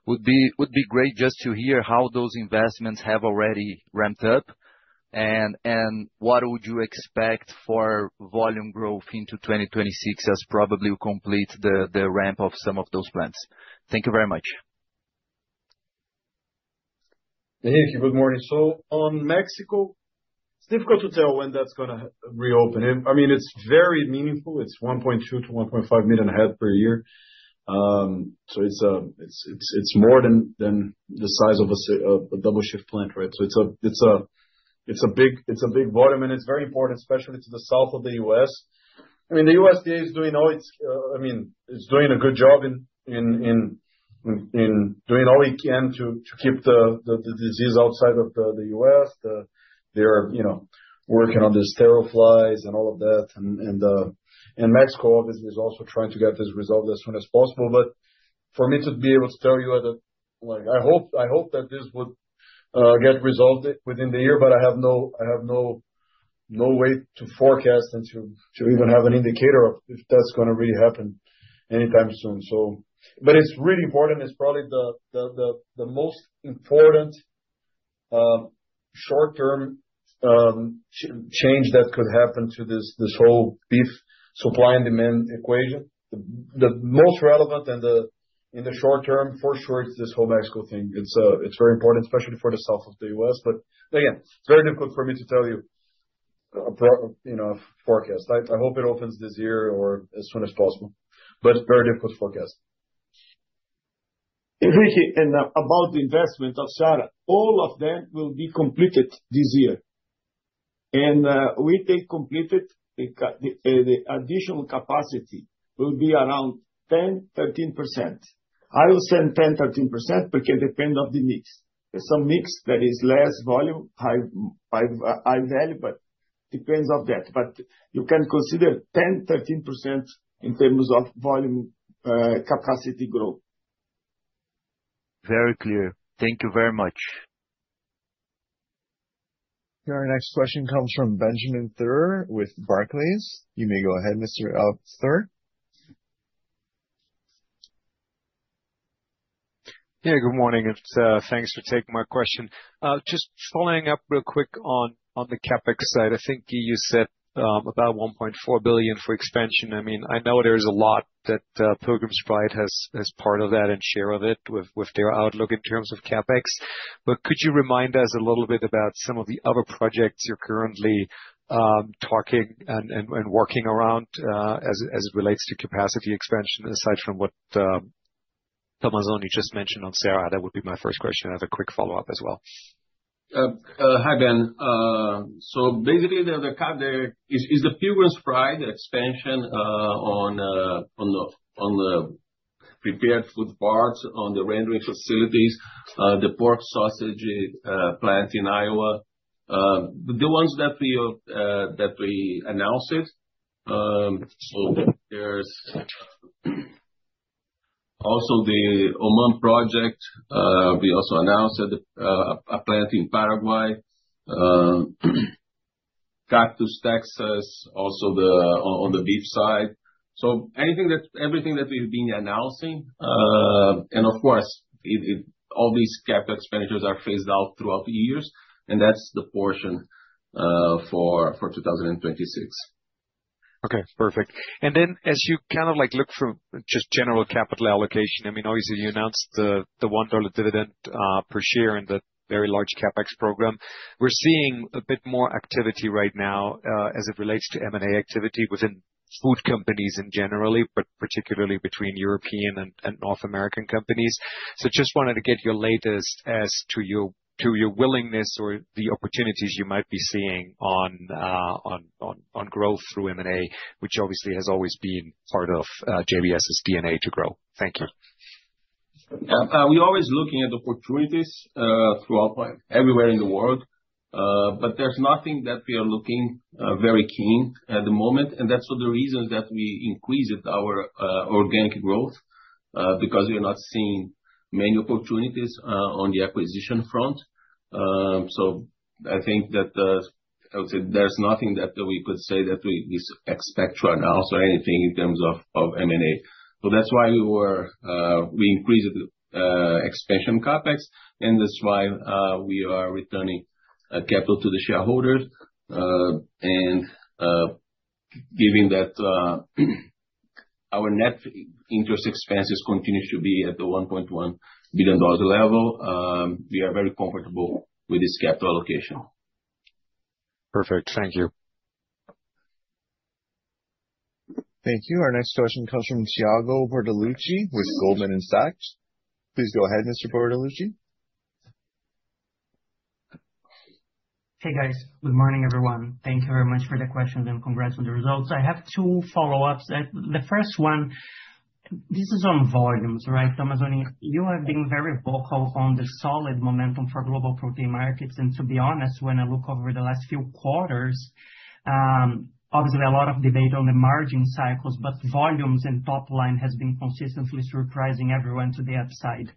Would be great just to hear how those investments have already ramped up and what would you expect for volume growth into 2026 as probably you complete the ramp of some of those plans. Thank you very much. Thank you. Good morning. On Mexico, it's difficult to tell when that's gonna reopen. I mean it's very meaningful. It's 1.2-1.5 million head per year. It's more than the size of a double shift plant, right? It's a big volume, and it's very important especially to the South of the U.S. I mean, the USDA is doing all it can. It's doing a good job in doing all we can to keep the disease outside of the U.S. They are, you know, working on the sterile flies and all of that. Mexico obviously is also trying to get this resolved as soon as possible. For me to be able to tell you, like I hope that this would get resolved within the year, but I have no way to forecast and to even have an indicator of if that's gonna really happen anytime soon. It's really important. It's probably the most important short term change that could happen to this whole beef supply and demand equation. The most relevant in the short term for sure is this whole Mexico thing. It's very important, especially for the South of the U.S. Again, it's very difficult for me to tell you know, a forecast. I hope it opens this year or as soon as possible. Very difficult to forecast. If we hear about the investment of Seara, all of them will be completed this year. With them completed, the additional capacity will be around 10%-13%. I will say 10%-13% because depend on the mix. There's some mix that is less volume, high value, but depends on that. You can consider 10%-13% in terms of volume, capacity growth. Very clear. Thank you very much. Your next question comes from Ben Theurer with Barclays. You may go ahead, Mr. Theurer. Yeah, good morning, thanks for taking my question. Just following up real quick on the CapEx side. I think you said about 1.4 billion for expansion. I mean, I know there's a lot that Pilgrim's Pride has part of that and share of it with their outlook in terms of CapEx. But could you remind us a little bit about some of the other projects you're currently talking and working around as it relates to capacity expansion, aside from what Tomazoni you just mentioned on Seara. That would be my first question. I have a quick follow-up as well. Hi Ben. Basically the cap there is the Pilgrim's Pride expansion on the prepared food parts, on the rendering facilities, the pork sausage plant in Iowa. The ones that we announced. There's also the Oman project. We also announced that, a plant in Paraguay, Cactus, Texas, also on the beef side. Everything that we've been announcing, and of course all these CapEx expenditures are phased out throughout the years, and that's the portion for 2026. Okay, perfect. As you kind of like look for just general capital allocation, I mean, obviously you announced the $1 dividend per share and the very large CapEx program. We're seeing a bit more activity right now as it relates to M&A activity within food companies in general, but particularly between European and North American companies. Just wanted to get your latest as to your willingness or the opportunities you might be seeing on growth through M&A, which obviously has always been part of JBS's DNA to grow. Thank you. We're always looking at opportunities throughout everywhere in the world. There's nothing that we are looking very keen at the moment. That's one of the reasons that we increased our organic growth because we are not seeing many opportunities on the acquisition front. I think that I would say there's nothing that we could say that we expect right now or anything in terms of M&A. That's why we increased expansion CapEx, and that's why we are returning capital to the shareholders. Given that our net interest expenses continue to be at the $1.1 billion level, we are very comfortable with this capital allocation. Perfect. Thank you. Thank you. Our next question comes from Thiago Bortoluci with Goldman Sachs. Please go ahead, Mr. Bortoluci. Hey, guys. Good morning, everyone. Thank you very much for the questions, and congrats on the results. I have two follow-ups. The first one, this is on volumes, right? Gilberto Tomazoni, you have been very vocal on the solid momentum for global protein markets, and to be honest, when I look over the last few quarters, obviously a lot of debate on the margin cycles, but volumes and top line has been consistently surprising everyone to the upside.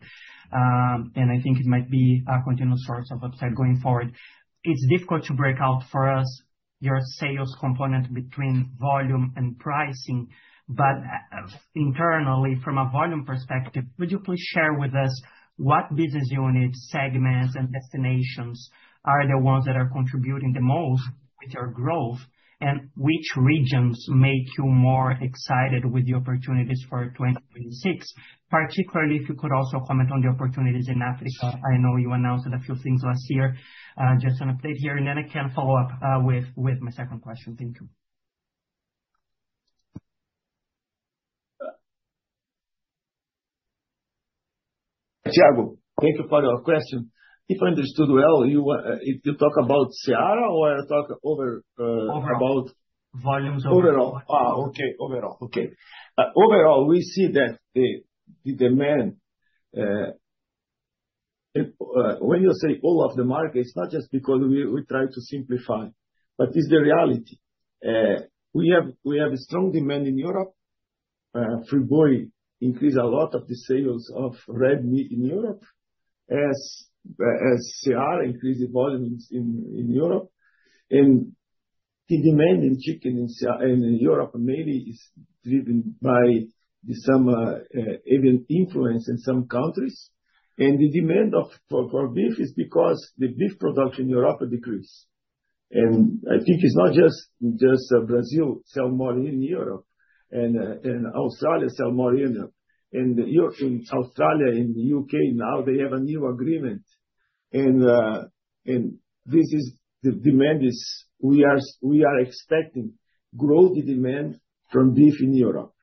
I think it might be a continuous source of upside going forward. It's difficult to break out for us your sales component between volume and pricing, but internally, from a volume perspective, would you please share with us what business units, segments, and destinations are the ones that are contributing the most with your growth? Which regions make you more excited with the opportunities for 2026? Particularly if you could also comment on the opportunities in Africa. I know you announced a few things last year, just on a plate here, and then I can follow up with my second question. Thank you. Thiago, thank you for your question. If I understood well, if you talk about CR or takeover. Overall... about- Volumes overall. Overall, we see that the demand when you say all of the markets, not just because we try to simplify, but it's the reality. We have a strong demand in Europe. Friboi increase a lot of the sales of red meat in Europe as Seara increase the volumes in Europe. The demand in chicken in Seara in Europe mainly is driven by the summer seasonal influence in some countries. The demand for beef is because the beef production in Europe decrease. I think it's not just Brazil sell more in Europe and Australia sell more in Europe. In Europe, in Australia, in the U.K. now they have a new agreement. We are expecting growth in demand for beef in Europe.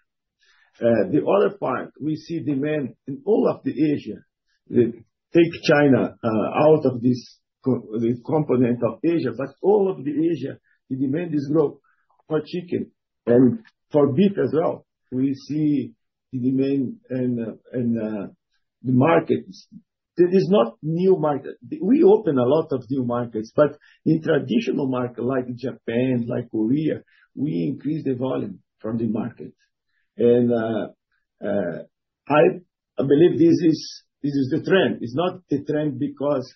The other part, we see demand in all of Asia. Take China out of this component of Asia, but all of Asia, the demand is low for chicken and for beef as well. We see the demand and the markets. That is not a new market. We open a lot of new markets, but in traditional market like Japan, like Korea, we increase the volume from the market. I believe this is the trend. It's not the trend because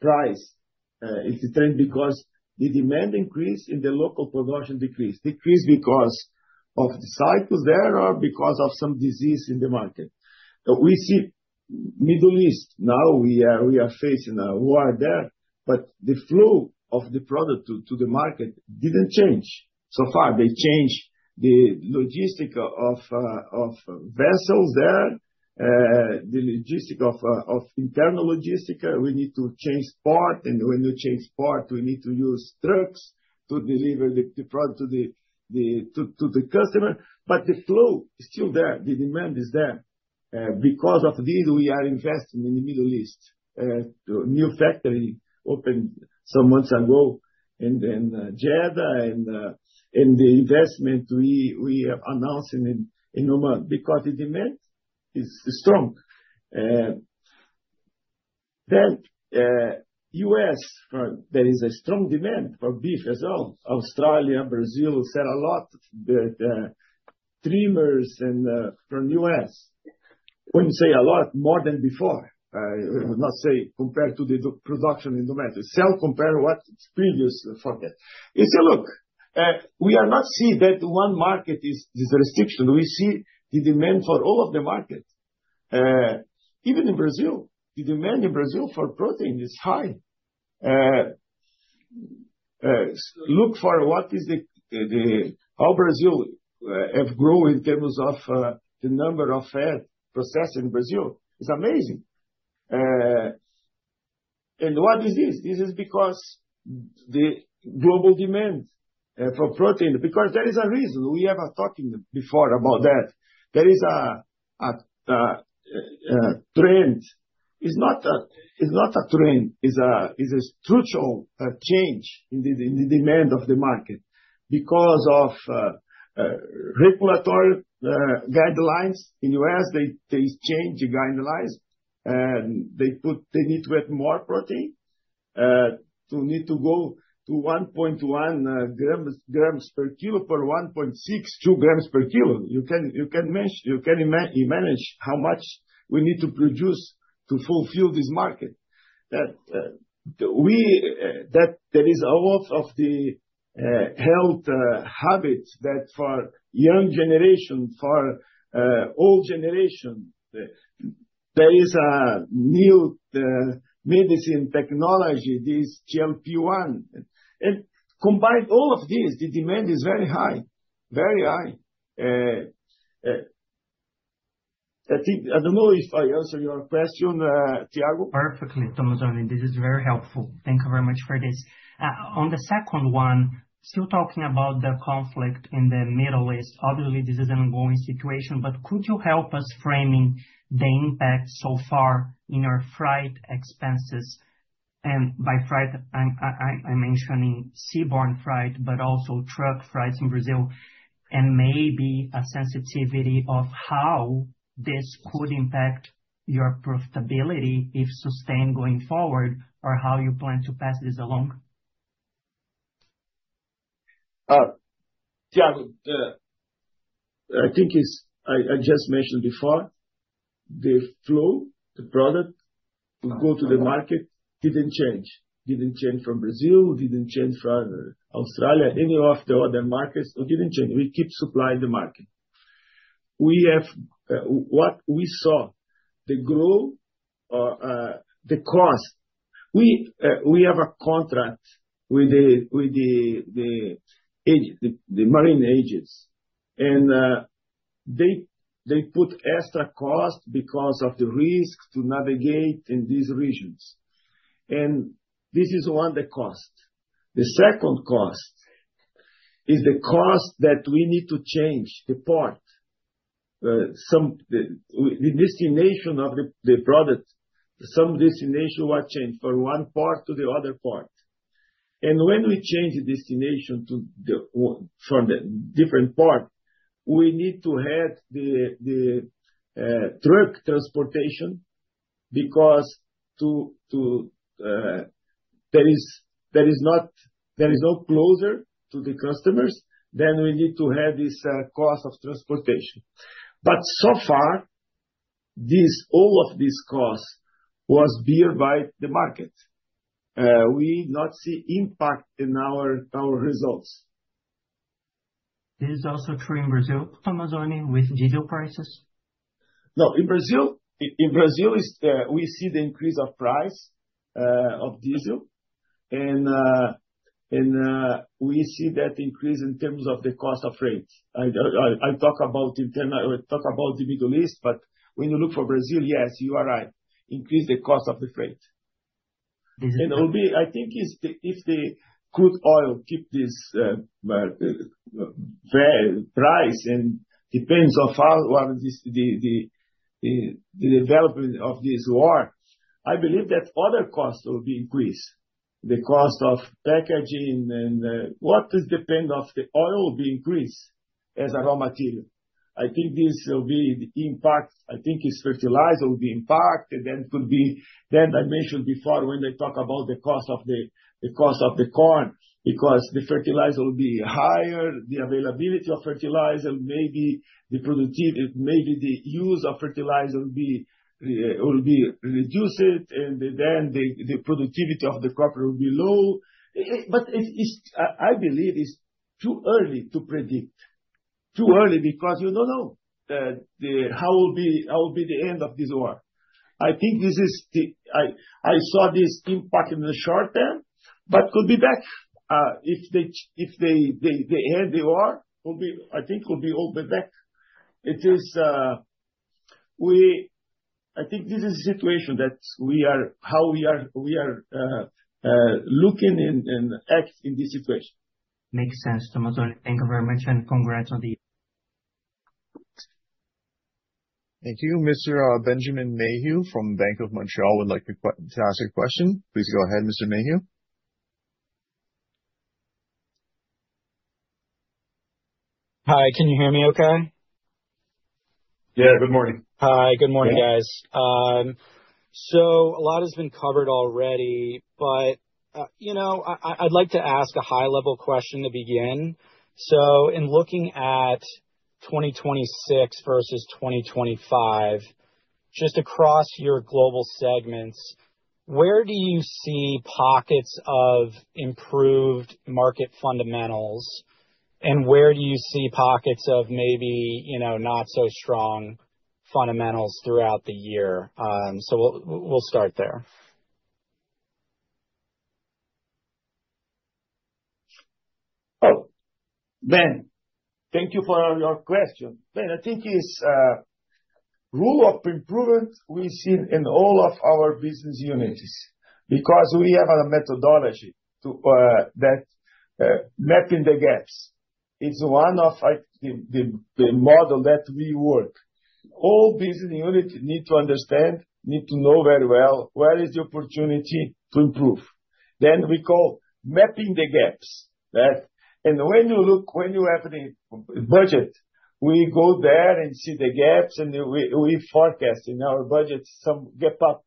price. It's the trend because the demand increase and the local production decrease. Decrease because of the cycles there or because of some disease in the market. We see Middle East. Now we are facing a war there, the flow of the product to the market didn't change. Far they changed the logistics of vessels there, the logistics of internal logistics. We need to change ports, and when you change ports, we need to use trucks to deliver the product to the customer. The flow is still there. The demand is there. Because of this, we are investing in the Middle East. New factory opened some months ago in Jeddah and the investment we have announced in Oman because the demand is strong. U.S. there is a strong demand for beef as well. Australia, Brazil sell a lot the trimmers from U.S. When you say a lot, more than before. I would not say compared to the production in the market. Still compare what's previous for that. If you look, we are not seeing that one market is restriction. We see the demand for all of the markets. Even in Brazil, the demand in Brazil for protein is high. Look for what is the how Brazil have grown in terms of the number of herd processed in Brazil. It's amazing. What is this? This is because the global demand for protein. Because there is a reason we are talking before about that. There is a trend. It's not a trend. It's a structural change in the demand of the market because of regulatory guidelines. In U.S., they change the guidelines. They need to add more protein to need to go to 1.1 grams per kilo to 1.6 to 2 grams per kilo. You can imagine how much we need to produce to fulfill this market. That there is a lot of the health habits for young generation, for old generation, there is a new medicine technology, this GLP-1. Combined all of this, the demand is very high. Very high. I don't know if I answered your question, Thiago. Perfectly, Tomazoni. This is very helpful. Thank you very much for this. On the second one, still talking about the conflict in the Middle East. Obviously this is an ongoing situation, but could you help us framing the impact so far in your freight expenses? By freight, I'm mentioning seaborne freight, but also truck freights in Brazil, and maybe a sensitivity of how this could impact your profitability if sustained going forward or how you plan to pass this along. Thiago, I think it's. I just mentioned before, the flow, the product will go to the market didn't change. Didn't change from Brazil, didn't change from Australia, any of the other markets, it didn't change. We keep supplying the market. We have what we saw, the growth, the cost. We have a contract with the agent, the marine agents. They put extra cost because of the risk to navigate in these regions. This is one, the cost. The second cost is the cost that we need to change the port. The destination of the product, some destination was changed from one port to the other port. When we change the destination from the different port, we need to have the truck transportation because there is no closer to the customers, then we need to have this cost of transportation. But so far, all of this cost was borne by the market. We not see impact in our results. This is also true in Brazil, Tomazoni, with diesel prices? No. In Brazil, we see the increase of price of diesel and we see that increase in terms of the cost of freight. I talk about the Middle East, but when you look for Brazil, yes, you are right, increase the cost of the freight. Mm-hmm. I think if the crude oil keeps this price, and depends on how this development of this war, I believe that other costs will be increased. The cost of packaging and what depends on the oil will be increased as a raw material. I think this will be the impact. I think its fertilizer will be impacted, and could be. I mentioned before, when I talk about the cost of the corn, because the fertilizer will be higher, the availability of fertilizer, maybe the use of fertilizer will be reduced and then the productivity of the crop will be low. It. But it's. I believe it's too early to predict. too early because we don't know how it will be the end of this war. I think this is the impact I saw in the short term, but it could be back if they end the war. I think it will be all back. I think this is the situation that we are, how we are looking and acting in this situation. Makes sense, Tomazoni. Thank you very much, and congrats on the year. Thank you. Mr. Benjamin Mayhew from BMO Capital Markets would like to ask a question. Please go ahead, Mr. Mayhew. Hi. Can you hear me okay? Yeah. Good morning. Hi. Good morning, guys. A lot has been covered already, but you know, I'd like to ask a high level question to begin. In looking at 2026 versus 2025, just across your global segments, where do you see pockets of improved market fundamentals and where do you see pockets of maybe, you know, not so strong fundamentals throughout the year? We'll start there. Ben, thank you for your question. Ben, I think it's a rule of improvement we see in all of our business units, because we have a methodology to that mapping the gaps is one of, like, the model that we work. All business unit need to understand, need to know very well where is the opportunity to improve. Then we call mapping the gaps. That. When you look, when you have the budget, we go there and see the gaps and we forecast in our budget some gap up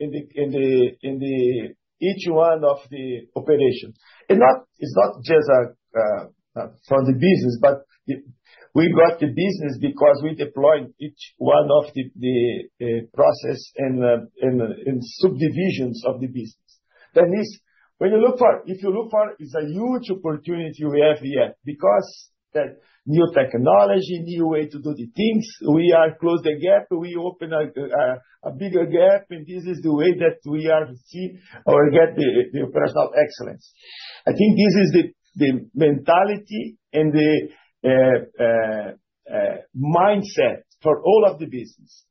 in each one of the operations. It's not just for the business, but we got the business because we deployed each one of the process in subdivisions of the business. That is, if you look for, it's a huge opportunity we have here. Because that new technology, new way to do the things, we are close the gap, we open a bigger gap, and this is the way that we are see or get the personal excellence. I think this is the mentality and the mindset for all of the business.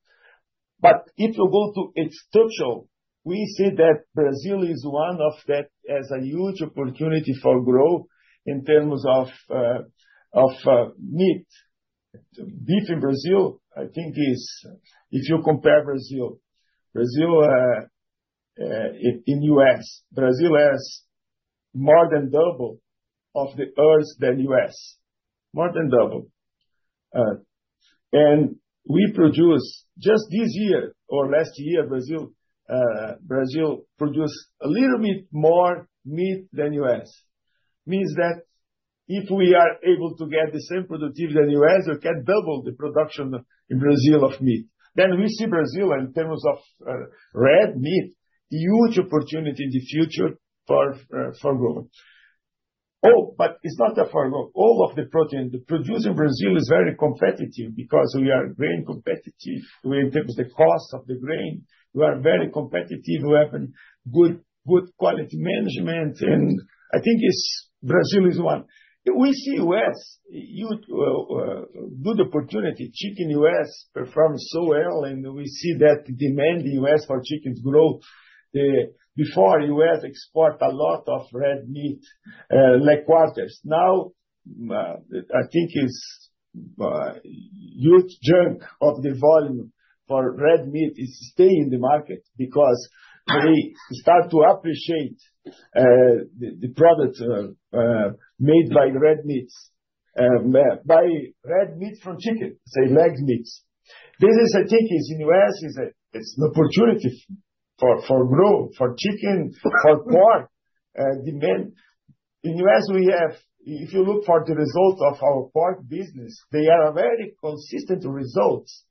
If you go to its structure, we see that Brazil is one of that has a huge opportunity for growth in terms of meat. Beef in Brazil, I think is. If you compare Brazil in U.S., Brazil has more than double of the herds than U.S. More than double. And we produce just this year or last year, Brazil produced a little bit more meat than U.S. means that if we are able to get the same productivity than U.S., we can double the production in Brazil of meat. We see Brazil in terms of red meat huge opportunity in the future for growth. Oh, but it's not that far ago. All of the protein produced in Brazil is very competitive because we are very competitive in terms of the cost of the grain. We are very competitive. We have a good quality management and I think it's Brazil is one. We see U.S. good opportunity. Chicken U.S. performs so well, and we see that demand in U.S. for chickens growth. Before U.S. export a lot of red meat like quarters. Now, I think it's a huge chunk of the volume for red meat staying in the market because they start to appreciate the product made by red meats by red meat from chicken, say leg meats. This, I think, in the U.S. it's an opportunity for growth for chicken for pork demand. In the U.S., if you look at the results of our pork business, they are very consistent results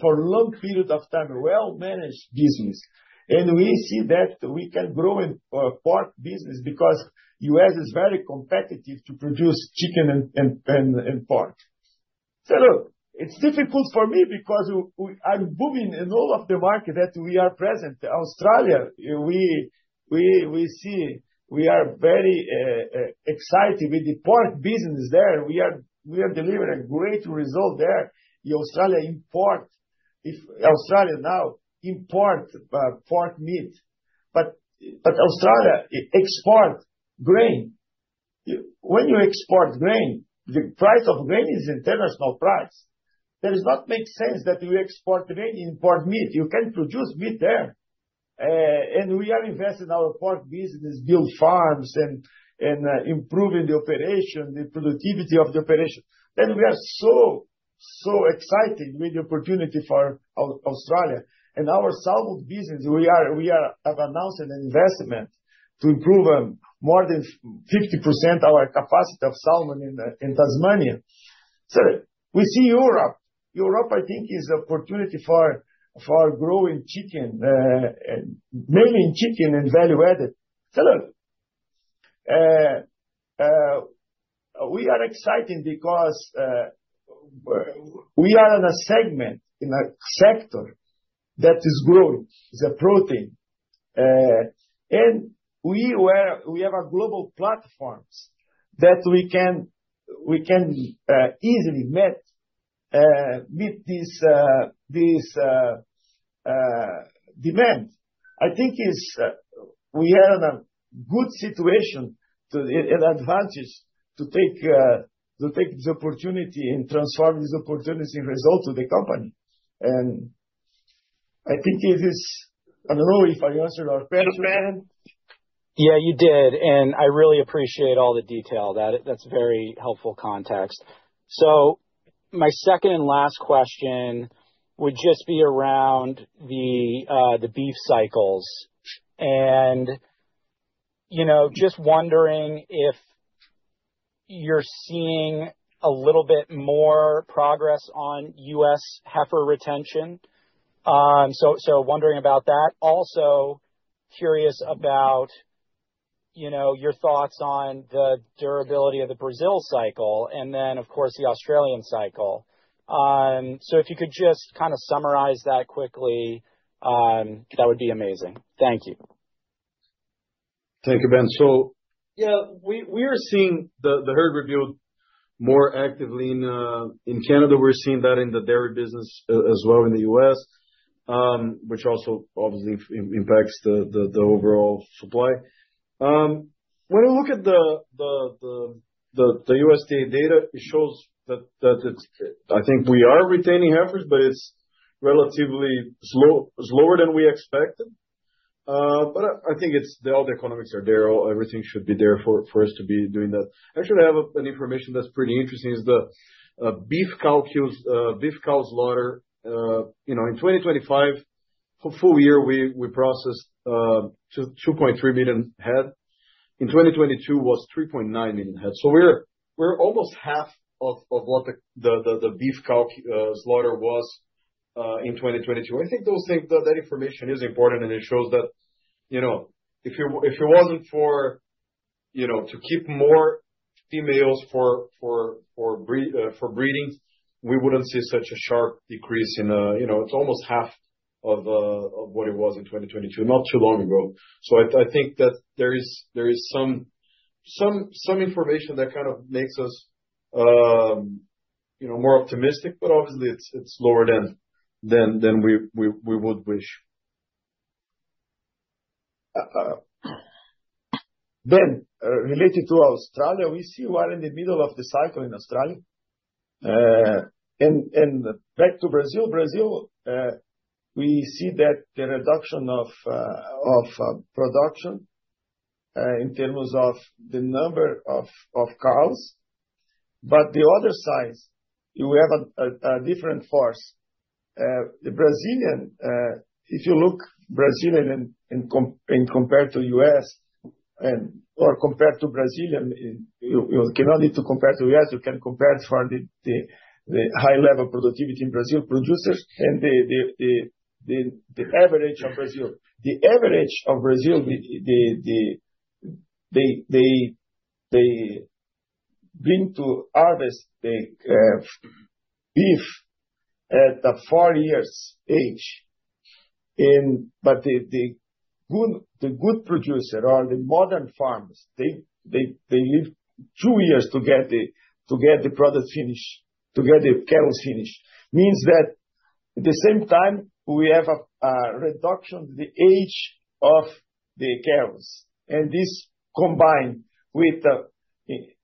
for a long period of time, a well-managed business. We see that we can grow in pork business because the U.S. is very competitive to produce chicken and pork. Look, it's difficult for me because I'm booming in all of the market that we are present. Australia, we see we are very excited with the pork business there. We are delivering great result there. Australia now imports pork meat. But Australia exports grain. When you export grain, the price of grain is international price. That does not make sense that you export grain, import meat. You can produce meat there. We are investing in our pork business, build farms and improving the operation, the productivity of the operation. We are so excited with the opportunity for Australia. Our salmon business, we have announced an investment to improve more than 50% our capacity of salmon in Tasmania. We see Europe. Europe, I think is opportunity for growing chicken, mainly in chicken and value-added. Look, we are excited because we are in a segment, in a sector that is growing, the protein. We have global platforms that we can easily meet this demand. I think we are in a good situation and advantage to take the opportunity and transform this opportunity result to the company. I think it is. I don't know if I answered our question. Yeah, you did. I really appreciate all the detail. That's very helpful context. My second and last question would just be around the beef cycles. You know, just wondering if you're seeing a little bit more progress on U.S. heifer retention and wondering about that. Also curious about, you know, your thoughts on the durability of the Brazil cycle, and then of course, the Australian cycle. If you could just kind of summarize that quickly, that would be amazing. Thank you. Thank you, Ben. Yeah, we are seeing the herd rebuilding more actively in Canada. We're seeing that in the dairy business as well in the U.S., which also obviously impacts the overall supply. When we look at the USDA data, it shows that it's—I think we are retaining heifers, but it's relatively slower than we expected. But I think it's all the economics are there. Everything should be there for us to be doing that. Actually, I have information that's pretty interesting: the beef cow slaughter. You know, in 2025, for the full year, we processed 2.3 million head. In 2022, we processed 3.9 million head. We're almost half of what the beef cow slaughter was in 2022. I think those things, that information is important, and it shows that, you know, if it wasn't for, you know, to keep more females for breeding, we wouldn't see such a sharp decrease in, you know, it's almost half of what it was in 2022, not too long ago. I think that there is some information that kind of makes us, you know, more optimistic, but obviously it's lower than we would wish. Related to Australia, we see we are in the middle of the cycle in Australia. back to Brazil. Brazil, we see that the reduction of production in terms of the number of cows. The other side, you have a different force. The Brazilian, if you look at Brazilian compared to U.S. and compared to Brazilian, you don't need to compare to U.S., you can compare to the high-level productivity of Brazilian producers and the average of Brazil. The average of Brazil, they bring to harvest the beef at a four years age. The good producer or the modern farmers, they live two years to get the product finished, to get the cows finished. That means at the same time, we have a reduction in the age of the cows. This combined with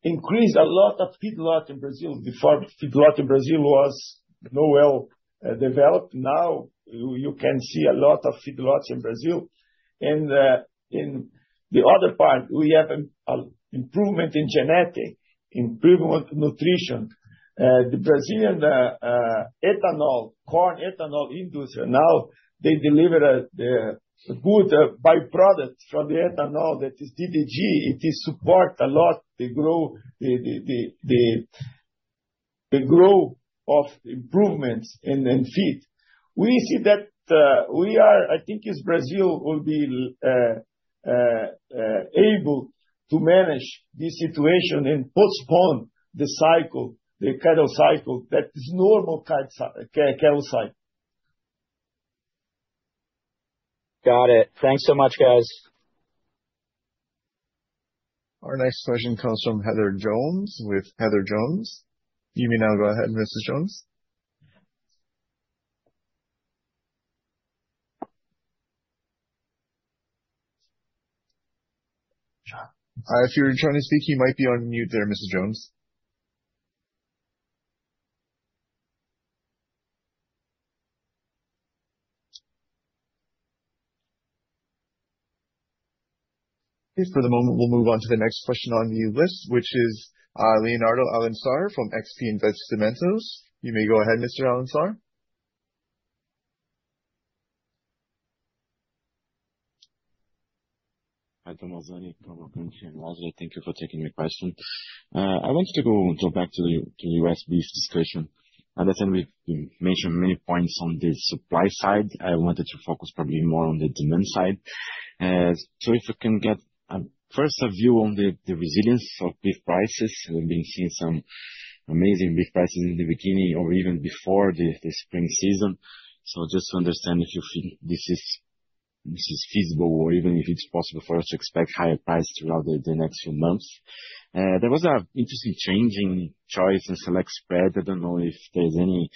increase a lot of feedlot in Brazil. Before feedlot in Brazil was not well developed. Now you can see a lot of feedlots in Brazil. In the other part, we have a improvement in genetic, improvement nutrition. The Brazilian ethanol, corn ethanol industry now they deliver the good by-product from the ethanol that is DDGS. It is support a lot the growth of improvements in feed. We see that I think Brazil will be able to manage this situation and postpone the cycle, the cattle cycle that is normal cattle cycle. Got it. Thanks so much, guys. Our next question comes from Heather Jones with Heather Jones. You may now go ahead, Mrs. Jones. If you're trying to speak, you might be on mute there, Mrs. Jones. Okay. For the moment, we'll move on to the next question on the list, which is, Leonardo Alencar from XP Investimentos. You may now go ahead, Mr. Alencar. Hi, Tomazoni. Good morning, Jair Mazza. Thank you for taking my question. I wanted to go back to the U.S. beef situation. I understand you've mentioned many points on the supply side. I wanted to focus probably more on the demand side. If you can give first a view on the resilience of beef prices. We've been seeing some amazing beef prices in the beginning or even before the spring season. Just to understand if you feel this is feasible or even if it's possible for us to expect higher prices throughout the next few months. There was an interesting change in choice and select spread. I don't know if there's any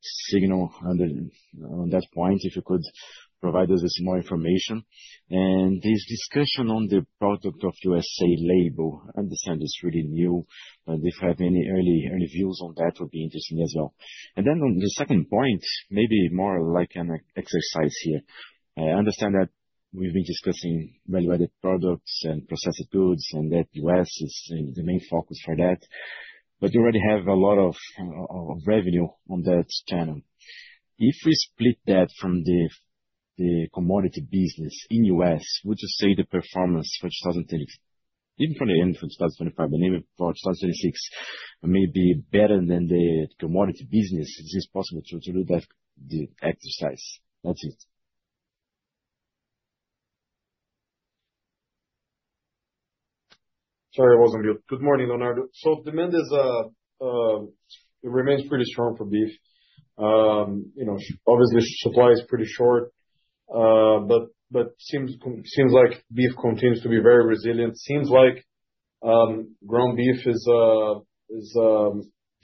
signal on that point, if you could provide us with more information. This discussion on the Product of USA label. Understand it's really new. If you have any early views on that, it would be interesting as well. On the second point, maybe more like an exercise here. I understand that we've been discussing value-added products and processed goods and that U.S. is the main focus for that. But you already have a lot of revenue on that channel. If we split that from the commodity business in U.S., would you say the performance even from the end of 2025, but even for 2026 may be better than the commodity business? Is this possible to do that exercise? That's it. Sorry, I was on mute. Good morning, Leonardo. Demand is it remains pretty strong for beef. You know, obviously supply is pretty short. Seems like beef continues to be very resilient. Seems like ground beef is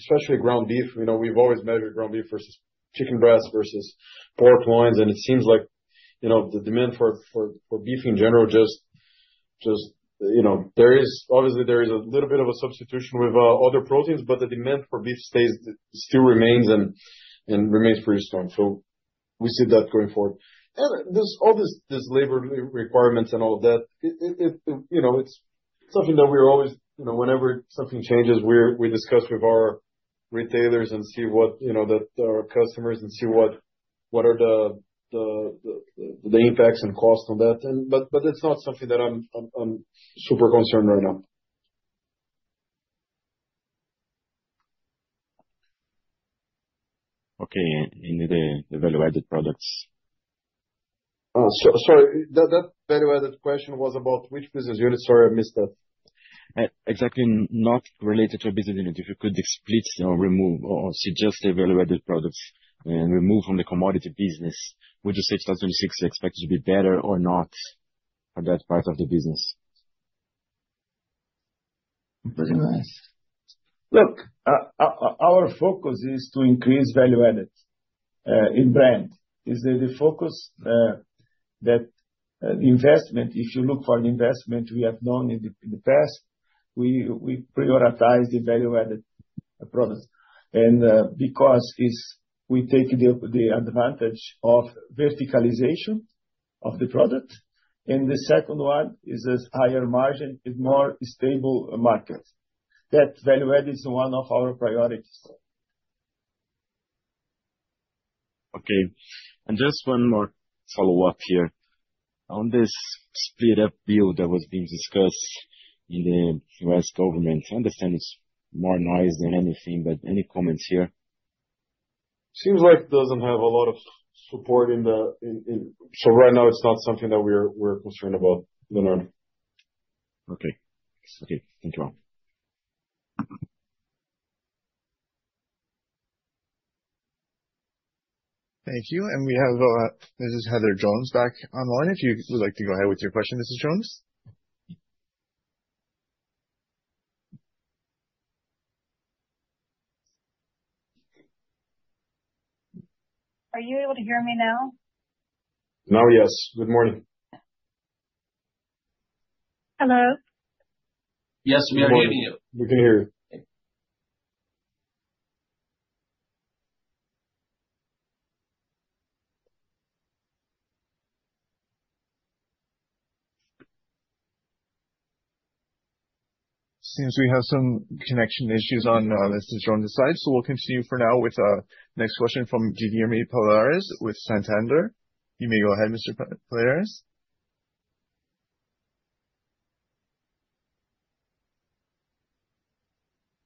especially ground beef, you know, we've always measured ground beef versus chicken breast versus pork loins, and it seems like, you know, the demand for beef in general just you know there is obviously a little bit of a substitution with other proteins, but the demand for beef still remains pretty strong. We see that going forward. All this labor requirements and all that, you know, it's something that we're always, you know, whenever something changes we discuss with our retailers and see what, you know, what our customers and see what the impacts and costs on that are. It's not something that I'm super concerned right now. Okay. The value-added products? Sorry. That value-added question was about which business unit? Sorry, I missed that. Exactly not related to a business unit. If you could split or remove or suggest the value-added products and remove from the commodity business, would you say 2026 expected to be better or not? For that part of the business. Very nice. Look, our focus is to increase value-added in brand. The focus is that investment. If you look for an investment we have done in the past, we prioritize the value-added products. Because we take the advantage of verticalization of the product. The second one is this higher-margin, more stable market. That value-added is one of our priorities. Okay. Just one more follow-up here. On this split appeal that was being discussed in the U.S. government, I understand it's more noise than anything, but any comments here? Seems like it doesn't have a lot of support. Right now it's not something that we're concerned about, Leonardo Alencar. Okay. Okay, thank you. Thank you, and we have, Mrs. Heather Jones back online. If you would like to go ahead with your question, Mrs. Jones. Are you able to hear me now? Now, yes. Good morning. Hello? Yes, we are hearing you. We can hear you. Seems we have some connection issues on Mrs. Jones' side, so we'll continue for now with next question from Guilherme Palhares with Santander. You may go ahead, Mr. Palhares.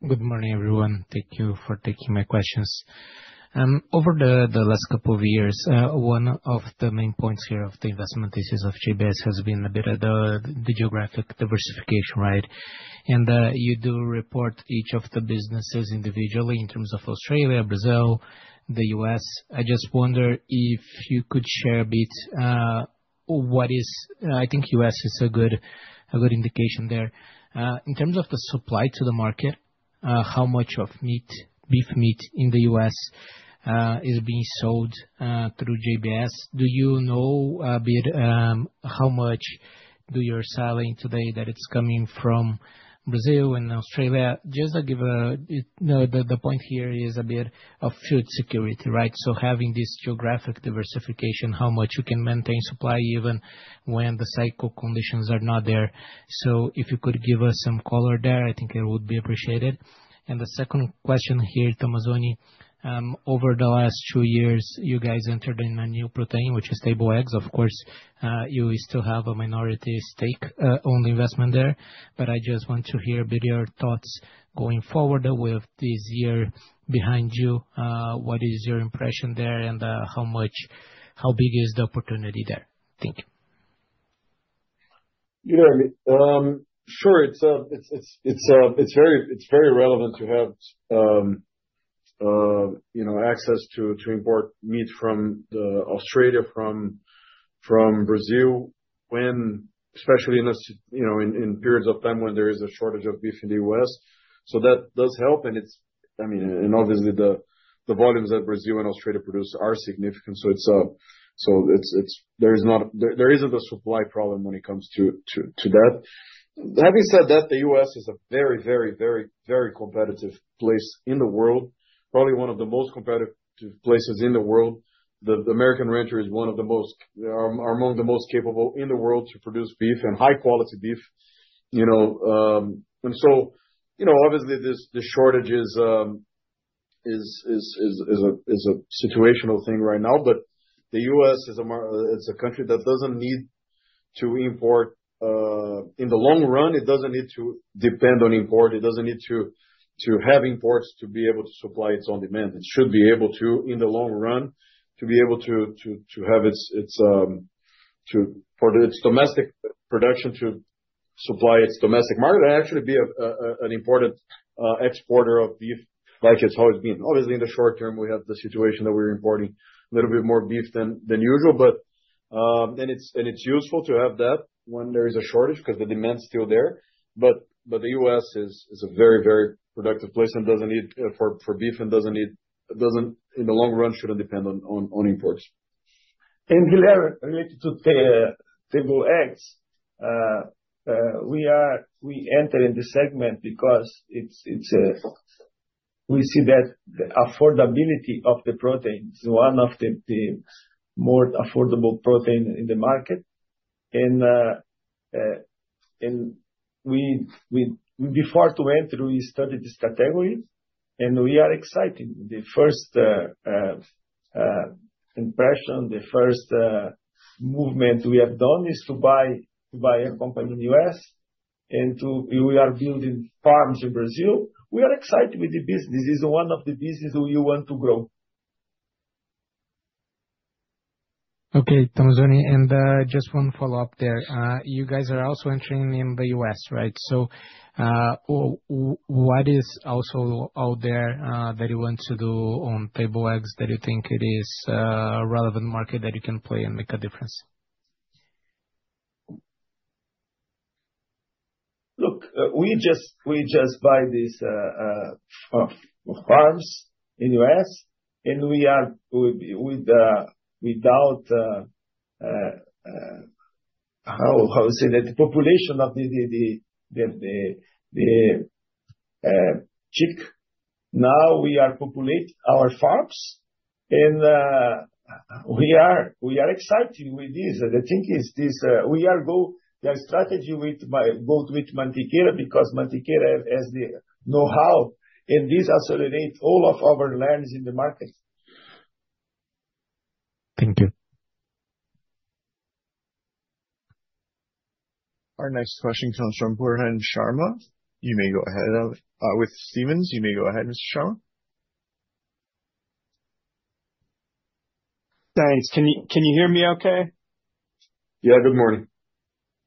Good morning, everyone. Thank you for taking my questions. Over the last couple of years, one of the main points here of the investment thesis of JBS has been a bit of the geographic diversification, right? You do report each of the businesses individually in terms of Australia, Brazil, the U.S. I just wonder if you could share a bit. I think U.S. is a good indication there. In terms of the supply to the market, how much of meat, beef meat in the U.S. is being sold through JBS? Do you know a bit, how much do you are selling today that it's coming from Brazil and Australia? You know, the point here is a bit of food security, right? Having this geographic diversification, how much you can maintain supply even when the cycle conditions are not there. If you could give us some color there, I think it would be appreciated. The second question here, Tomazoni, over the last two years, you guys entered in a new protein, which is table eggs. Of course, you still have a minority stake, on the investment there, but I just want to hear a bit your thoughts going forward with this year behind you. What is your impression there and, how big is the opportunity there? Thank you. You know, sure. It's very relevant to have, you know, access to import meat from Australia, from Brazil, especially in periods of time when there is a shortage of beef in the U.S. That does help and it's, I mean, and obviously the volumes that Brazil and Australia produce are significant. There isn't a supply problem when it comes to that. Having said that, the U.S. is a very competitive place in the world. Probably one of the most competitive places in the world. The American rancher are among the most capable in the world to produce beef and high quality beef, you know. You know, obviously this shortage is a situational thing right now. The U.S. is a country that doesn't need to import in the long run. It doesn't need to depend on import. It doesn't need to have imports to be able to supply its own demand. It should be able to, in the long run, to be able to have its domestic production to supply its domestic market and actually be an important exporter of beef like it's always been. Obviously, in the short term, we have the situation that we're importing a little bit more beef than usual. And it's useful to have that when there is a shortage because the demand's still there. The U.S. is a very productive place and doesn't need for beef. In the long run, it shouldn't depend on imports. Guilherme, related to table eggs, we enter in the segment because we see that the affordability of the protein is one of the more affordable protein in the market. Before to enter, we studied this category, and we are excited. The first movement we have done is to buy a company in the U.S. and we are building farms in Brazil. We are excited with the business. This is one of the business we want to grow. Okay, Tomazoni. Just one follow-up there. You guys are also entering in the U.S., right? What is also out there that you want to do on table eggs that you think it is a relevant market that you can play and make a difference? Look, we just buy these farms in U.S. and we are without the population of the chicks. Now we are populate our farms and we are excited with this. The thing is this, we are go the strategy with both Mantiqueira because Mantiqueira has the know-how and this accelerate all of our learns in the market. Thank you. Our next question comes from Pooran Sharma. You may go ahead. With Stephens, you may go ahead, Mr. Sharma. Thanks. Can you hear me okay? Yeah. Good morning.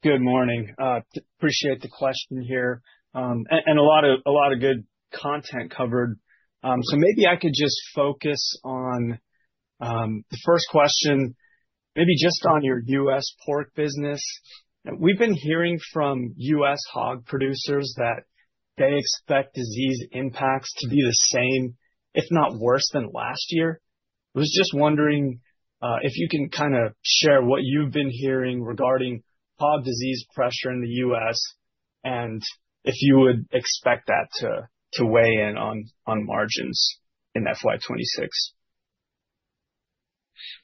Good morning. Appreciate the question here. A lot of good content covered. Maybe I could just focus on the first question, maybe just on your U.S. pork business. We've been hearing from U.S. hog producers that they expect disease impacts to be the same, if not worse than last year. Was just wondering if you can kind of share what you've been hearing regarding hog disease pressure in the U.S. and if you would expect that to weigh in on margins in FY 2026.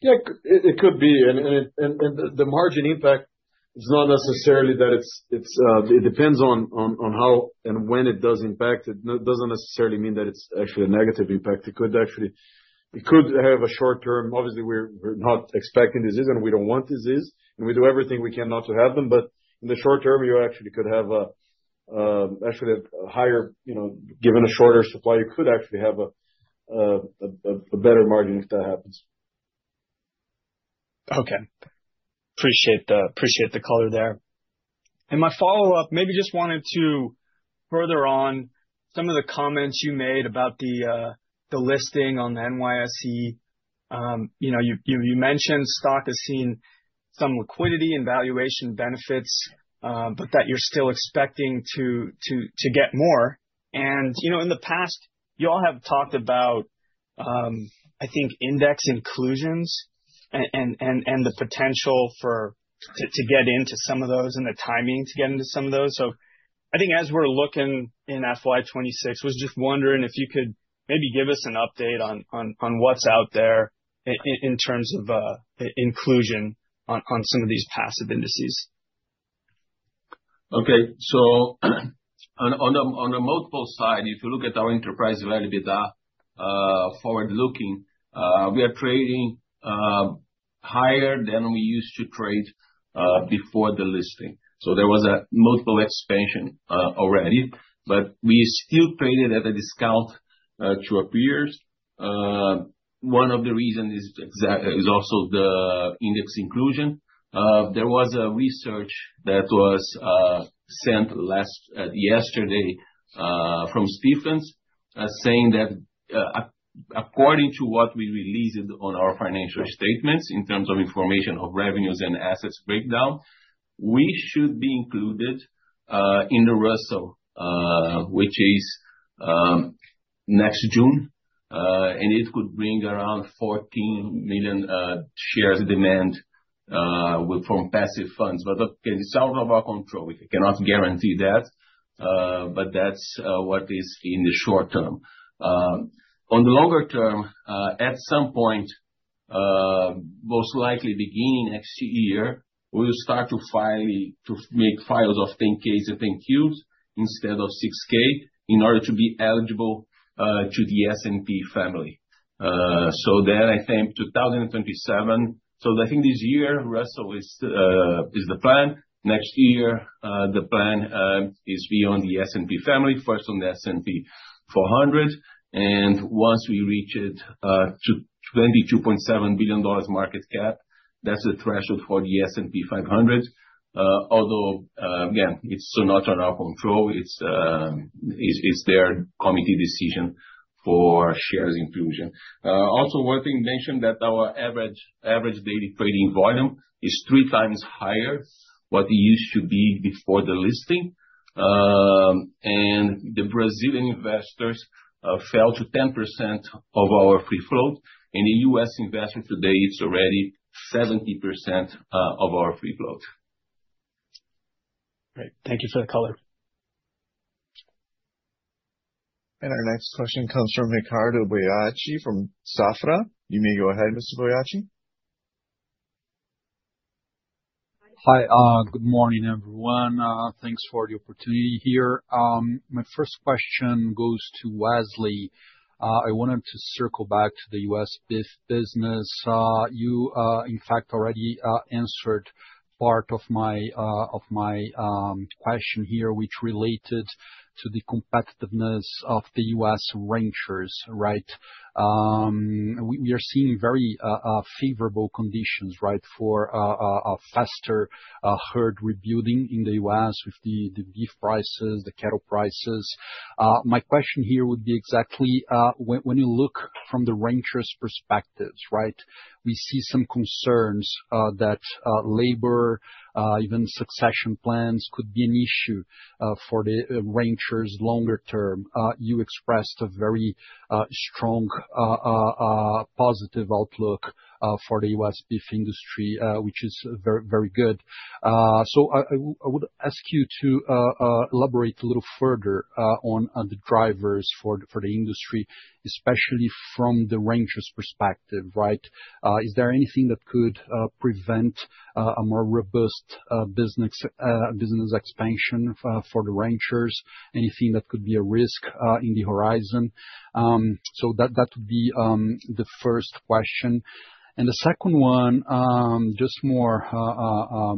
Yeah. It could be. The margin impact is not necessarily that it's, it depends on how and when it does impact. It doesn't necessarily mean that it's actually a negative impact. It could actually have a short term. Obviously, we're not expecting disease and we don't want disease, and we do everything we can not to have them. In the short term, you actually could have a higher, you know, given a shorter supply, you could actually have a better margin if that happens. Appreciate the color there. My follow-up, maybe just wanted to further on some of the comments you made about the listing on the NYSE. You mentioned stock has seen some liquidity and valuation benefits, but that you're still expecting to get more. In the past you all have talked about index inclusions and the potential to get into some of those and the timing to get into some of those. As we're looking in FY 2026, was just wondering if you could maybe give us an update on what's out there in terms of inclusion on some of these passive indices. Okay. On a multiple side, if you look at our enterprise value with the forward looking, we are trading higher than we used to trade before the listing. There was a multiple expansion already, but we still traded at a discount to our peers. One of the reason is also the index inclusion. There was a research that was sent yesterday from Stephens saying that according to what we released on our financial statements in terms of information of revenues and assets breakdown, we should be included in the Russell, which is next June. It could bring around 14 million shares demand from passive funds. It's out of our control. We cannot guarantee that, but that's what is in the short term. On the longer term, at some point, most likely beginning next year, we'll start to make files of 10-Ks and 10-Qs instead of 6-K in order to be eligible to the S&P family. Then I think 2027. I think this year, Russell 3000 is the plan. Next year, the plan is be on the S&P family, first on the S&P MidCap 400, and once we reach it, twenty-two point seven billion dollars market cap, that's the threshold for the S&P 500. Although, again, it's not on our control. It's their committee decision for shares inclusion. Also worth a mention that our average daily trading volume is three times higher what it used to be before the listing. The Brazilian investors fell to 10% of our free float, and the U.S. investment today is already 70% of our free float. Great. Thank you for the color. Our next question comes from Ricardo Boiati from Safra. You may go ahead, Mr. Boiati. Hi. Good morning, everyone. Thanks for the opportunity here. My first question goes to Wesley. I wanted to circle back to the U.S. business. You in fact already answered part of my question here which related to the competitiveness of the U.S. ranchers, right? We are seeing very favorable conditions, right? For a faster herd rebuilding in the U.S. with the beef prices, the cattle prices. My question here would be exactly when you look from the ranchers' perspectives, right? We see some concerns that labor even succession plans could be an issue for the ranchers longer term. You expressed a very positive outlook for the U.S. beef industry, which is very good. I would ask you to elaborate a little further on the drivers for the industry, especially from the ranchers perspective, right? Is there anything that could prevent a more robust business expansion for the ranchers, anything that could be a risk in the horizon. That would be the first question. The second one, just more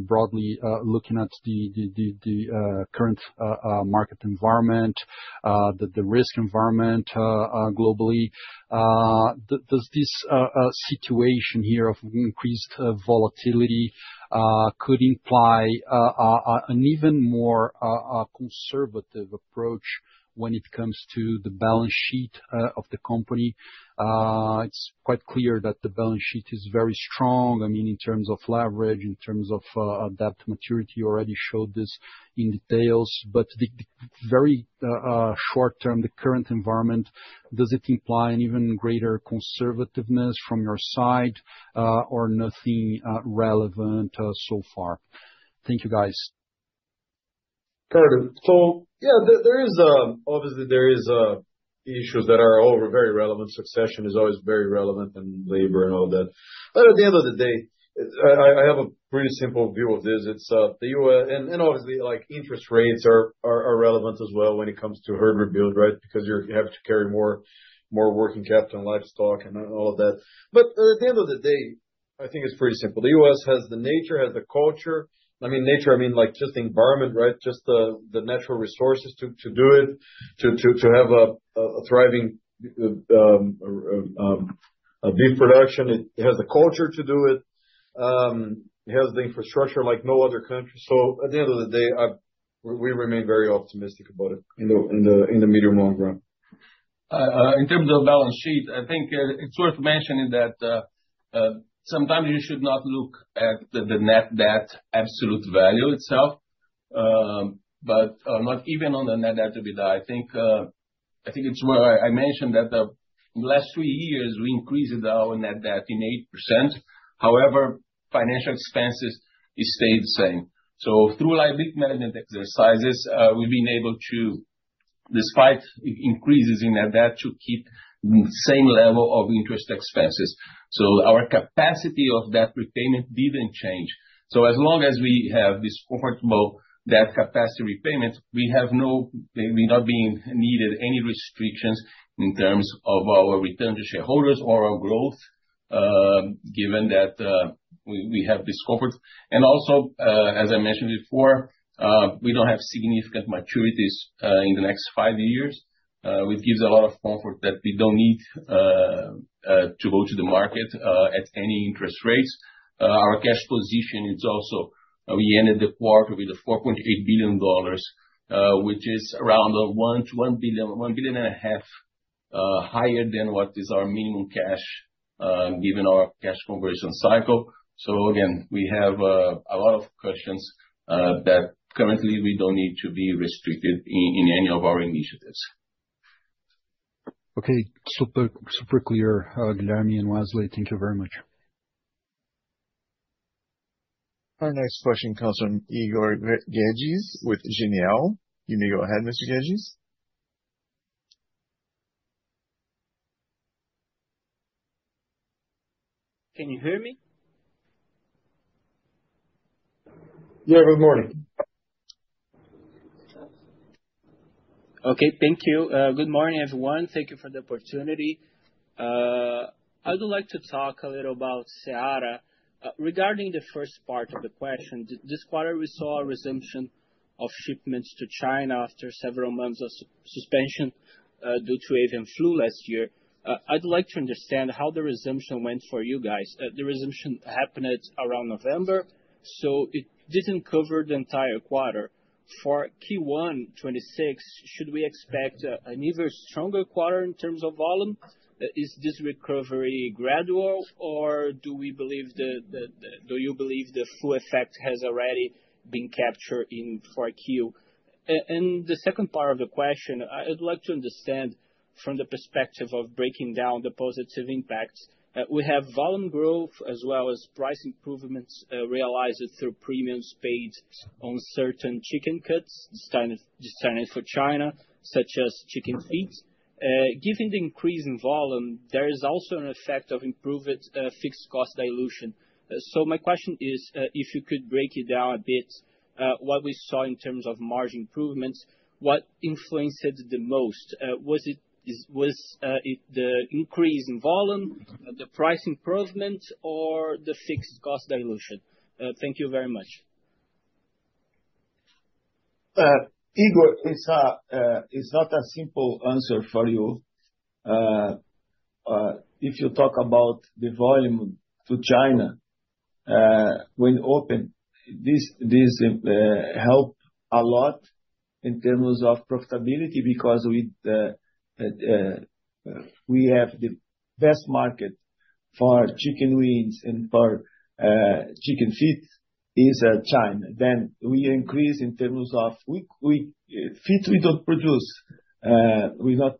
broadly looking at the current market environment, the risk environment globally. Does this situation here of increased volatility could imply an even more conservative approach when it comes to the balance sheet of the company? It's quite clear that the balance sheet is very strong, I mean, in terms of leverage, in terms of debt maturity, you already showed this in detail. The very short term, the current environment, does it imply an even greater conservativeness from your side, or nothing relevant so far? Thank you, guys. Yeah, there is obviously issues that are all very relevant. Succession is always very relevant, and labor and all that. At the end of the day, I have a pretty simple view of this. It's the U.S. And obviously, like interest rates are relevant as well when it comes to herd rebuild, right? Because you have to carry more working capital and livestock and all of that. At the end of the day, I think it's pretty simple. The U.S. has the nature, has the culture. I mean, nature, I mean, like just the environment, right? Just the natural resources to have a thriving beef production. It has the culture to do it. It has the infrastructure like no other country. At the end of the day, we remain very optimistic about it in the medium long run. In terms of balance sheet, I think it's worth mentioning that sometimes you should not look at the net debt absolute value itself, but not even the net debt to EBITDA. I think as I mentioned, in the last three years, we increased our net debt by 8%. However, financial expenses stayed the same. So through like good management exercises, we've been able to, despite increases in net debt, to keep the same level of interest expenses. So our capacity of debt repayment didn't change. So as long as we have this comfortable debt capacity repayment, we have no restrictions in terms of our return to shareholders or our growth, given that we have this comfort. As I mentioned before, we don't have significant maturities in the next five years, which gives a lot of comfort that we don't need to go to the market at any interest rates. Our cash position is also; we ended the quarter with $4.8 billion, which is around $1 billion-$1.5 billion higher than what our minimum cash, given our cash conversion cycle. Again, we have a lot of cushion that currently we don't need to be restricted in any of our initiatives. Okay. Super, super clear, Guilherme and Wesley. Thank you very much. Our next question comes from Igor Guedes with Genial. You may go ahead, Mr. Guedes. Can you hear me? Yeah. Good morning. Okay. Thank you. Good morning, everyone. Thank you for the opportunity. I would like to talk a little about Seara. Regarding the first part of the question, this quarter, we saw a resumption of shipments to China after several months of suspension due to avian flu last year. I'd like to understand how the resumption went for you guys. The resumption happened at around November, so it didn't cover the entire quarter. For Q1 2026, should we expect an even stronger quarter in terms of volume? Is this recovery gradual, or do you believe the full effect has already been captured in 4Q? The second part of the question, I'd like to understand from the perspective of breaking down the positive impacts. We have volume growth as well as price improvements realized through premiums paid on certain chicken cuts destined for China, such as chicken feet. Given the increase in volume, there is also an effect of improved fixed cost dilution. My question is, if you could break it down a bit, what we saw in terms of margin improvements, what influenced it the most? Was it the increase in volume, the price improvement, or the fixed cost dilution? Thank you very much. Igor, it's not a simple answer for you. If you talk about the volume to China when open, this help a lot in terms of profitability because we have the best market for chicken wings and for chicken feet is China. Then we increase in terms of feet, we don't produce, we're not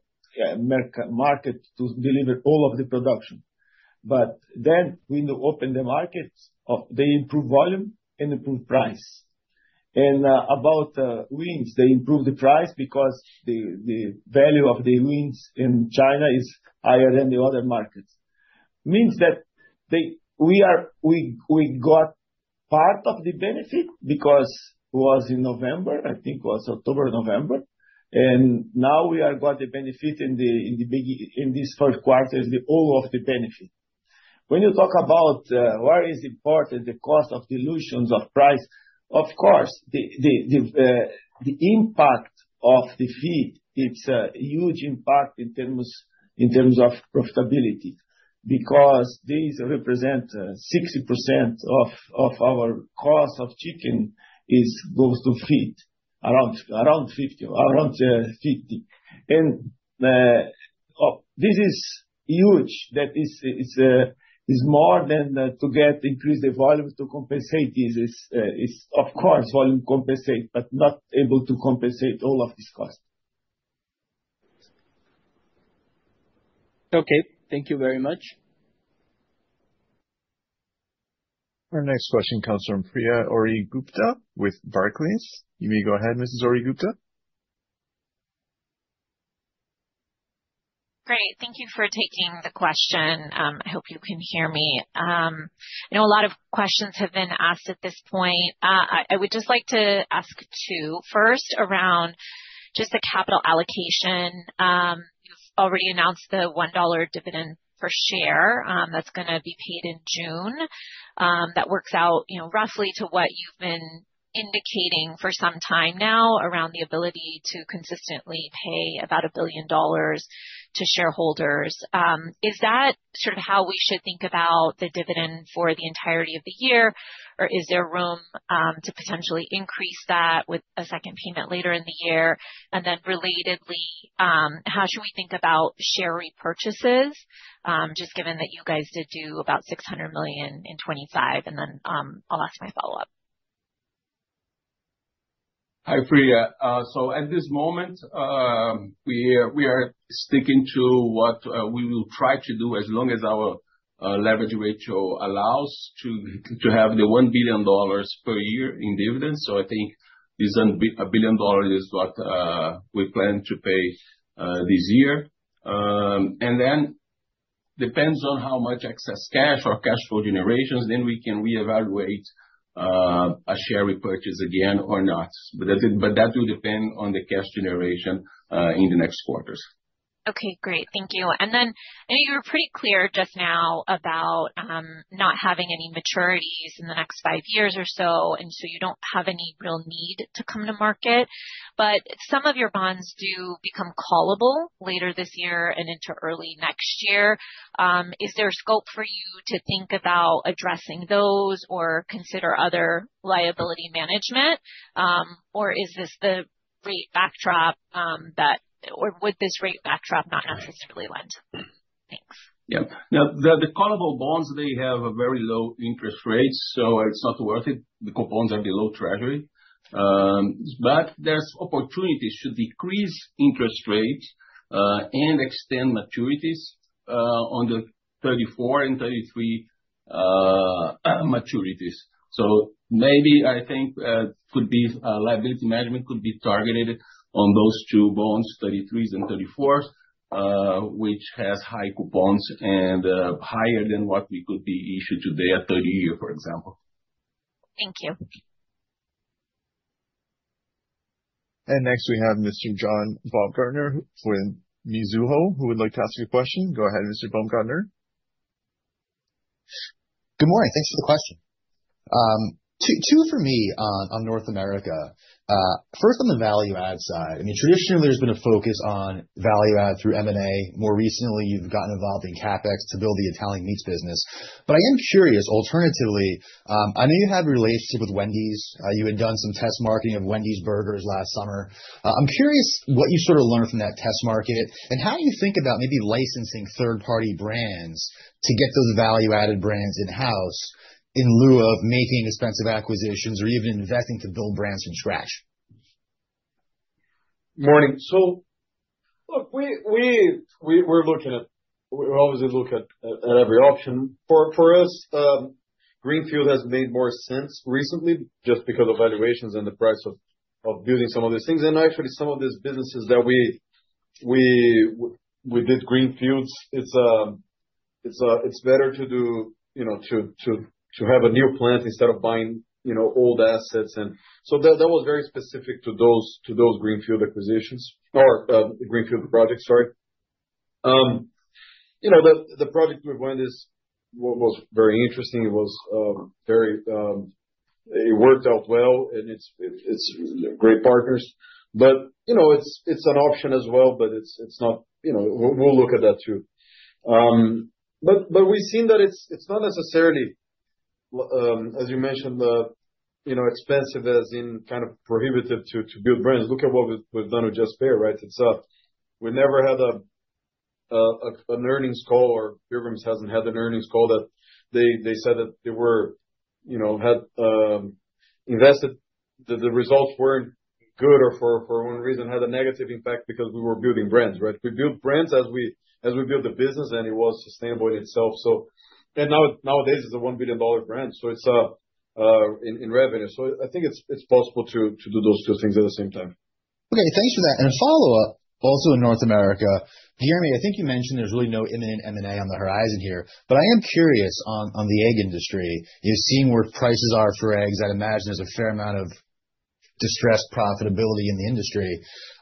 in the market to deliver all of the production. We open the markets, they improve volume and improve price. About wings, they improved the price because the value of the wings in China is higher than the other markets. means that we got part of the benefit because it was in November, I think it was October, November, and now we got the benefit in this first quarter is all of the benefit. When you talk about why is important the cost of dilutions of price, of course, the impact of the feed, it's a huge impact in terms of profitability, because these represent 60% of our cost of chicken goes to feed. Around 50%. This is huge. That is more than to increase the volume to compensate this. Of course, volume compensate, but not able to compensate all of this cost. Okay, thank you very much. Our next question comes from Priya Ohri-Gupta with Barclays. You may go ahead, Mrs. Ohri-Gupta. Great. Thank you for taking the question. I hope you can hear me. I know a lot of questions have been asked at this point. I would just like to ask two. First, around just the capital allocation. You've already announced the $1 dividend per share, that's gonna be paid in June. That works out, you know, roughly to what you've been indicating for some time now around the ability to consistently pay about $1 billion to shareholders. Is that sort of how we should think about the dividend for the entirety of the year, or is there room to potentially increase that with a second payment later in the year? Relatedly, how should we think about share repurchases, just given that you guys did do about $600 million in 2025? I'll ask my follow-up. Hi, Priya. At this moment, we are sticking to what we will try to do as long as our leverage ratio allows to have $1 billion per year in dividends. I think $1 billion is what we plan to pay this year. Then it depends on how much excess cash or cash flow generations, then we can reevaluate a share repurchase again or not. That's it. That will depend on the cash generation in the next quarters. Okay, great. Thank you. I know you were pretty clear just now about not having any maturities in the next five years or so, and so you don't have any real need to come to market. Some of your bonds do become callable later this year and into early next year. Is there a scope for you to think about addressing those or consider other liability management? Or is this the rate backdrop? Or would this rate backdrop not necessarily lend? Thanks. Yeah. Now, the callable bonds they have a very low interest rate, so it's not worth it. The coupons are below Treasury. There's opportunities to decrease interest rates and extend maturities on the 34 and 33 maturities. Maybe liability management could be targeted on those two bonds, 33s and 34s, which has high coupons and higher than what we could be issued today at 30-year, for example. Thank you. Next we have Mr. John Baumgartner with Mizuho, who would like to ask a question. Go ahead, Mr. Baumgartner. Good morning. Thanks for the question. Two for me on North America. First on the value add side. I mean, traditionally there's been a focus on value add through M&A. More recently, you've gotten involved in CapEx to build the Italian meats business. I am curious alternatively. I know you had a relationship with Wendy's. You had done some test marketing of Wendy's burgers last summer. I'm curious what you sort of learned from that test market, and how you think about maybe licensing third-party brands to get those value-added brands in-house in lieu of making expensive acquisitions or even investing to build brands from scratch. Morning. Look, we always look at every option. For us, greenfield has made more sense recently just because of valuations and the price of building some of these things. Actually some of these businesses that we did greenfields, it's better to do, you know, to have a new plant instead of buying, you know, old assets. That was very specific to those greenfield acquisitions or greenfield projects, sorry. You know, the project with Wendy's was very interesting. It worked out well and it's great partners, but you know, it's an option as well, but it's not, you know, we'll look at that too. We've seen that it's not necessarily, as you mentioned, you know, expensive as in kind of prohibitive to build brands. Look at what we've done with Just Bare, right? It's we never had an earnings call or Pilgrim's Pride hasn't had an earnings call that they said that they were, you know, had invested. The results weren't For one reason had a negative impact because we were building brands, right? We build brands as we build the business, and it was sustainable in itself. Nowadays it's a $1 billion brand, so it's in revenue. I think it's possible to do those two things at the same time. Okay, thanks for that. A follow-up, also in North America. Guilherme, I think you mentioned there's really no imminent M&A on the horizon here, but I am curious on the egg industry. You're seeing where prices are for eggs, I'd imagine there's a fair amount of distressed profitability in the industry.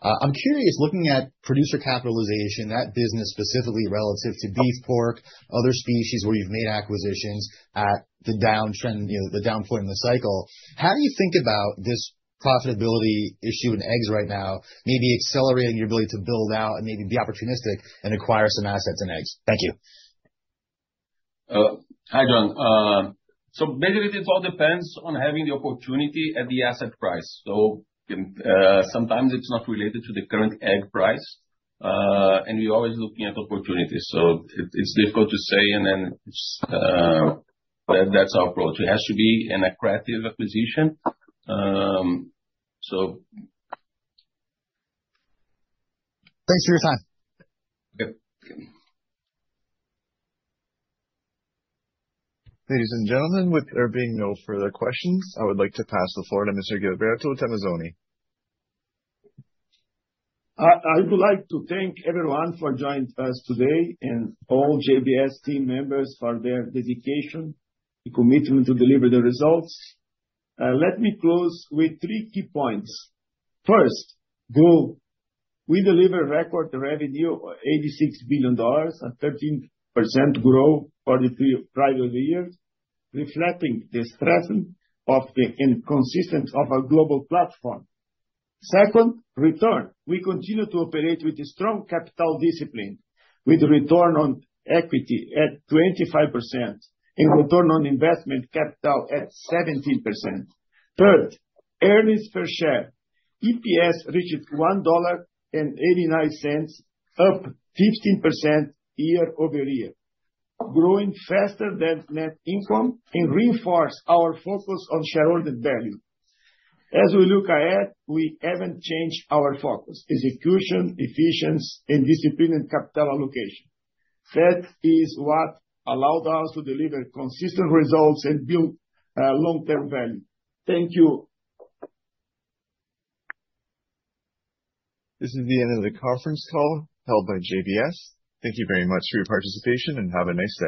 I'm curious, looking at producer capitalization, that business specifically relative to beef, pork, other species where you've made acquisitions at the downtrend, you know, the down point in the cycle. How do you think about this profitability issue in eggs right now, maybe accelerating your ability to build out and maybe be opportunistic and acquire some assets in eggs? Thank you. Hi, John. Basically, it all depends on having the opportunity at the asset price. Sometimes it's not related to the current egg price. We're always looking at opportunities, so it's difficult to say. But that's our approach. It has to be an accretive acquisition. Thanks for your time. Yep. Ladies and gentlemen, with there being no further questions, I would like to pass the floor to Mr. Gilberto Tomazoni. I would like to thank everyone for joining us today and all JBS team members for their dedication and commitment to deliver the results. Let me close with three key points. First, grow. We deliver record revenue of $86 billion and 13% growth for the three prior years, reflecting the strength and consistency of our global platform. Second, return. We continue to operate with a strong capital discipline, with return on equity at 25% and return on investment capital at 17%. Third, earnings per share. EPS reached $1.89, up 15% year-over-year, growing faster than net income and reinforce our focus on shareholder value. As we look ahead, we haven't changed our focus, execution, efficiency and disciplined capital allocation. That is what allowed us to deliver consistent results and build long-term value. Thank you. This is the end of the conference call held by JBS. Thank you very much for your participation, and have a nice day.